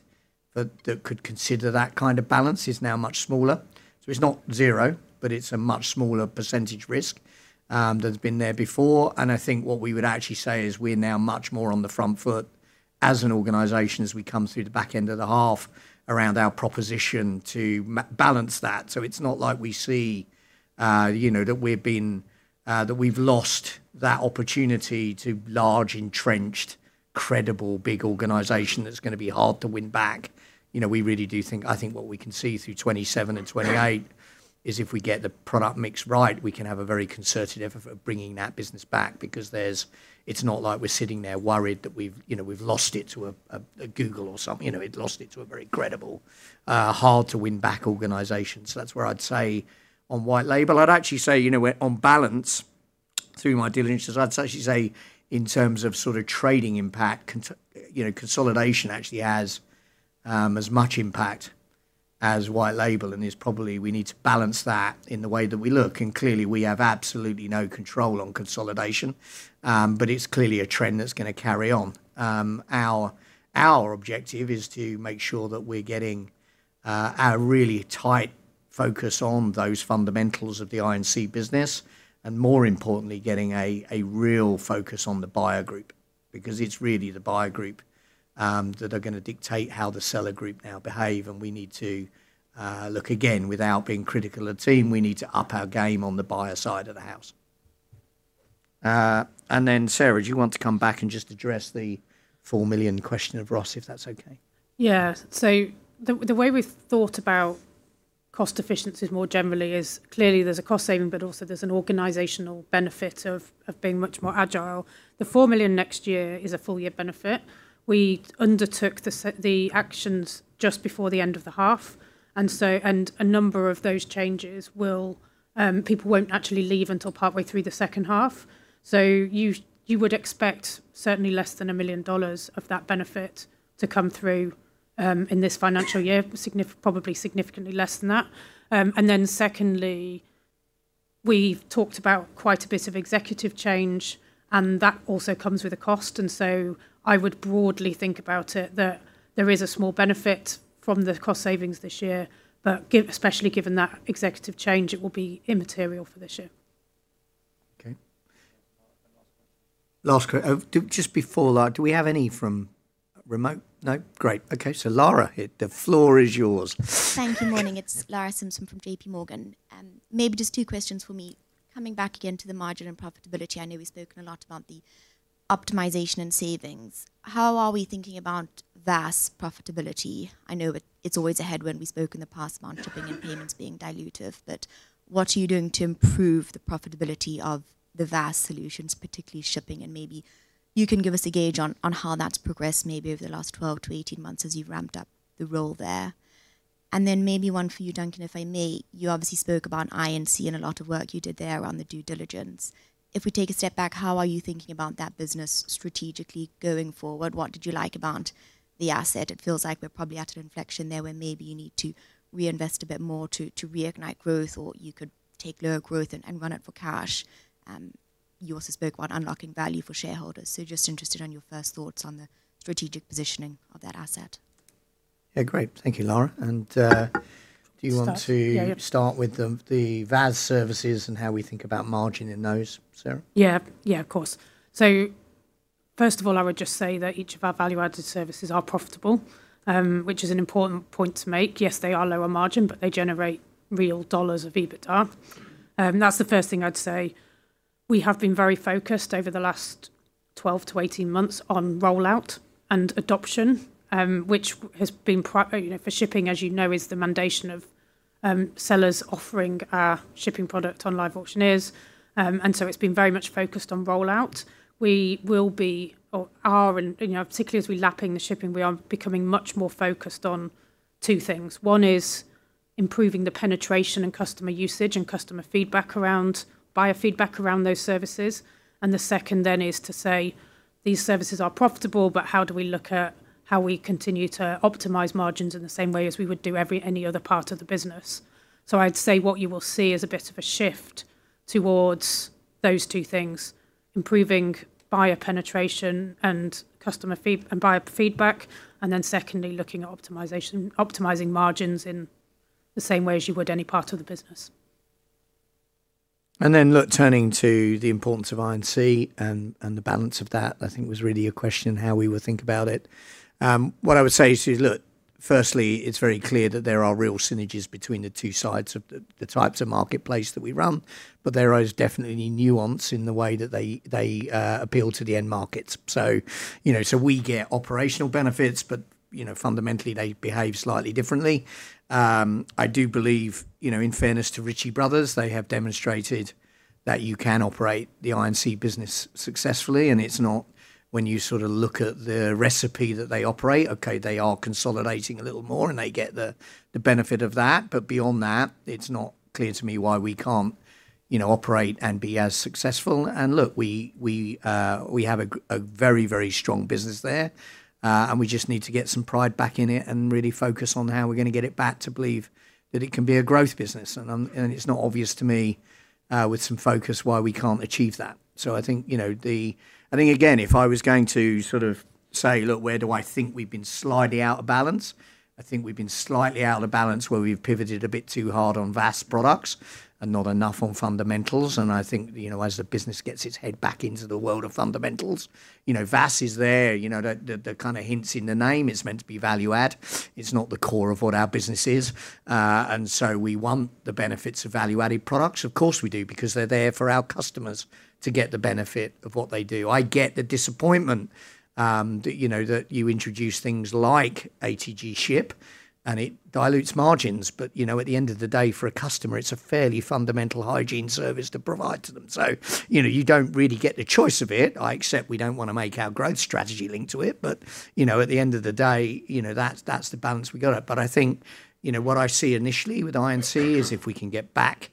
that could consider that kind of balance is now much smaller. It's not zero, but it's a much smaller percentage risk than has been there before. I think what we would actually say is we're now much more on the front foot as an organization as we come through the back end of the half around our proposition to balance that. It's not like we see, you know, that we've lost that opportunity to large, entrenched, credible, big organization that's gonna be hard to win back. We really do think, I think what we can see through 2027 and 2028 is if we get the product mix right, we can have a very concerted effort of bringing that business back because it's not like we're sitting there worried that we've, you know, we've lost it to a Google or some, you know, we've lost it to a very credible, hard-to-win-back organization. That's where I'd say on white label. I'd actually say, you know, where on balance through my due diligence, I'd actually say in terms of sort of trading impact, you know, consolidation actually has as much impact as white label and is probably we need to balance that in the way that we look. Clearly, we have absolutely no control on consolidation. It's clearly a trend that's gonna carry on. Our objective is to make sure that we're getting a really tight focus on those fundamentals of the I&C business, and more importantly, getting a real focus on the buyer group. It's really the buyer group that are gonna dictate how the seller group now behave, and we need to look again. Without being critical of the team, we need to up our game on the buyer side of the house. Sarah, do you want to come back and just address the 4 million question of Ross, if that's okay?
The way we've thought about cost efficiencies more generally is clearly there's a cost saving, but also there's an organizational benefit of being much more agile. The 4 million next year is a full-year benefit. We undertook the actions just before the end of the half. A number of those changes will people won't actually leave until partway through the second half. You would expect certainly less than $1 million of that benefit to come through in this financial year, probably significantly less than that. Secondly, we've talked about quite a bit of executive change, and that also comes with a cost. I would broadly think about it that there is a small benefit from the cost savings this year, but especially given that executive change, it will be immaterial for this year.
Okay. Last one. Just before, like, do we have any from remote? No? Great. Okay, Lara, the floor is yours.
Thank you. Morning. It's Lara Simpson from JPMorgan. Maybe just two questions for me. Coming back again to the margin and profitability, I know we've spoken a lot about the optimization and savings. How are we thinking about VAS profitability? I know it's always ahead when we spoke in the past about shipping and payments being dilutive. What are you doing to improve the profitability of the VAS solutions, particularly shipping? Maybe you can give us a gauge on how that's progressed maybe over the last 12 to 18 months as you've ramped up the role there. Maybe one for you, Duncan, if I may. You obviously spoke about I&C and a lot of work you did there around the due diligence. If we take a step back, how are you thinking about that business strategically going forward? What did you like about the asset? It feels like we're probably at an inflection there where maybe you need to reinvest a bit more to reignite growth, or you could take lower growth and run it for cash. You also spoke about unlocking value for shareholders. Just interested on your first thoughts on the strategic positioning of that asset.
Yeah, great. Thank you, Lara.
Start? Yeah, yep
start with the VAS services and how we think about margin in those, Sarah?
Of course. First of all, I would just say that each of our value-added services are profitable, which is an important point to make. Yes, they are lower margin, but they generate real GBP of EBITDA. That's the first thing I'd say. We have been very focused over the last 12 to 18 months on rollout and adoption, which has been, you know, for shipping, as you know, is the mandation of sellers offering our shipping product on LiveAuctioneers. It's been very much focused on rollout. We will be or are, you know, particularly as we're lapping the shipping, we are becoming much more focused on two things. Improving the penetration in customer usage and buyer feedback around those services. The second then is to say, these services are profitable, but how do we look at how we continue to optimize margins in the same way as we would any other part of the business? I'd say what you will see is a bit of a shift towards those two things, improving buyer penetration and customer and buyer feedback, and then secondly looking at optimizing margins in the same way as you would any part of the business.
Turning to the importance of I&C and the balance of that, I think was really a question in how we would think about it. What I would say to you, firstly it's very clear that there are real synergies between the two sides of the types of marketplace that we run. There is definitely nuance in the way that they appeal to the end markets. You know, we get operational benefits but, you know, fundamentally they behave slightly differently. I do believe, you know, in fairness to Ritchie Bros., they have demonstrated that you can operate the I&C business successfully, and it's not when you sort of look at the recipe that they operate. They are consolidating a little more, and they get the benefit of that. Beyond that, it's not clear to me why we can't, you know, operate and be as successful. Look, we have a very, very strong business there. We just need to get some pride back in it and really focus on how we're gonna get it back to believe that it can be a growth business. It's not obvious to me, with some focus why we can't achieve that. I think, you know, I think again, if I was going to sort of say, look, where do I think we've been slightly out of balance? I think we've been slightly out of balance where we've pivoted a bit too hard on VAS products and not enough on fundamentals. I think, you know, as the business gets its head back into the world of fundamentals, you know, VAS is there. You know, the kinda hints in the name. It's meant to be value add. It's not the core of what our business is. We want the benefits of value-added products. Of course we do because they're there for our customers to get the benefit of what they do. I get the disappointment, that, you know, that you introduce things like ATG Ship, and it dilutes margins. You know, at the end of the day for a customer it's a fairly fundamental hygiene service to provide to them. You know, you don't really get the choice of it. I accept we don't wanna make our growth strategy linked to it, you know, at the end of the day, you know, that's the balance we gotta have. I think, you know, what I see initially with I&C is if we can get back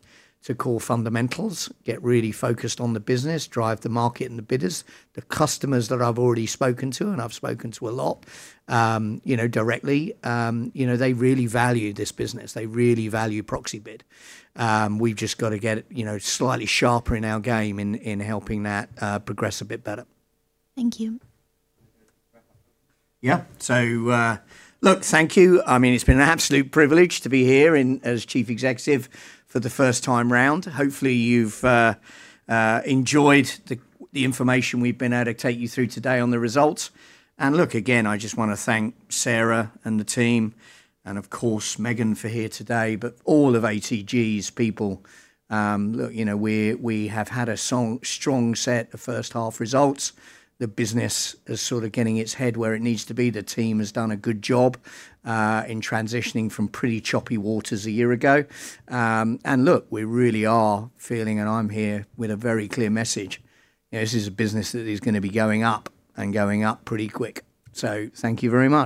to core fundamentals, get really focused on the business, drive the market and the bidders. The customers that I've already spoken to, and I've spoken to a lot, you know, directly, you know, they really value this business. They really value Proxibid. We've just gotta get, you know, slightly sharper in our game in helping that progress a bit better.
Thank you.
Yeah. Look, thank you. I mean, it's been an absolute privilege to be here in, as Chief Executive for the first time round. Hopefully you've enjoyed the information we've been able to take you through today on the results. Look, again, I just want to thank Sarah Highfield and the team, and of course Meghan Schoen for here today. All of ATG's people, look, you know, we have had a strong set of first half results. The business is sort of getting its head where it needs to be. The team has done a good job in transitioning from pretty choppy waters a year ago. Look, we really are feeling, I'm here with a very clear message. You know, this is a business that is going to be going up and going up pretty quick. Thank you very much.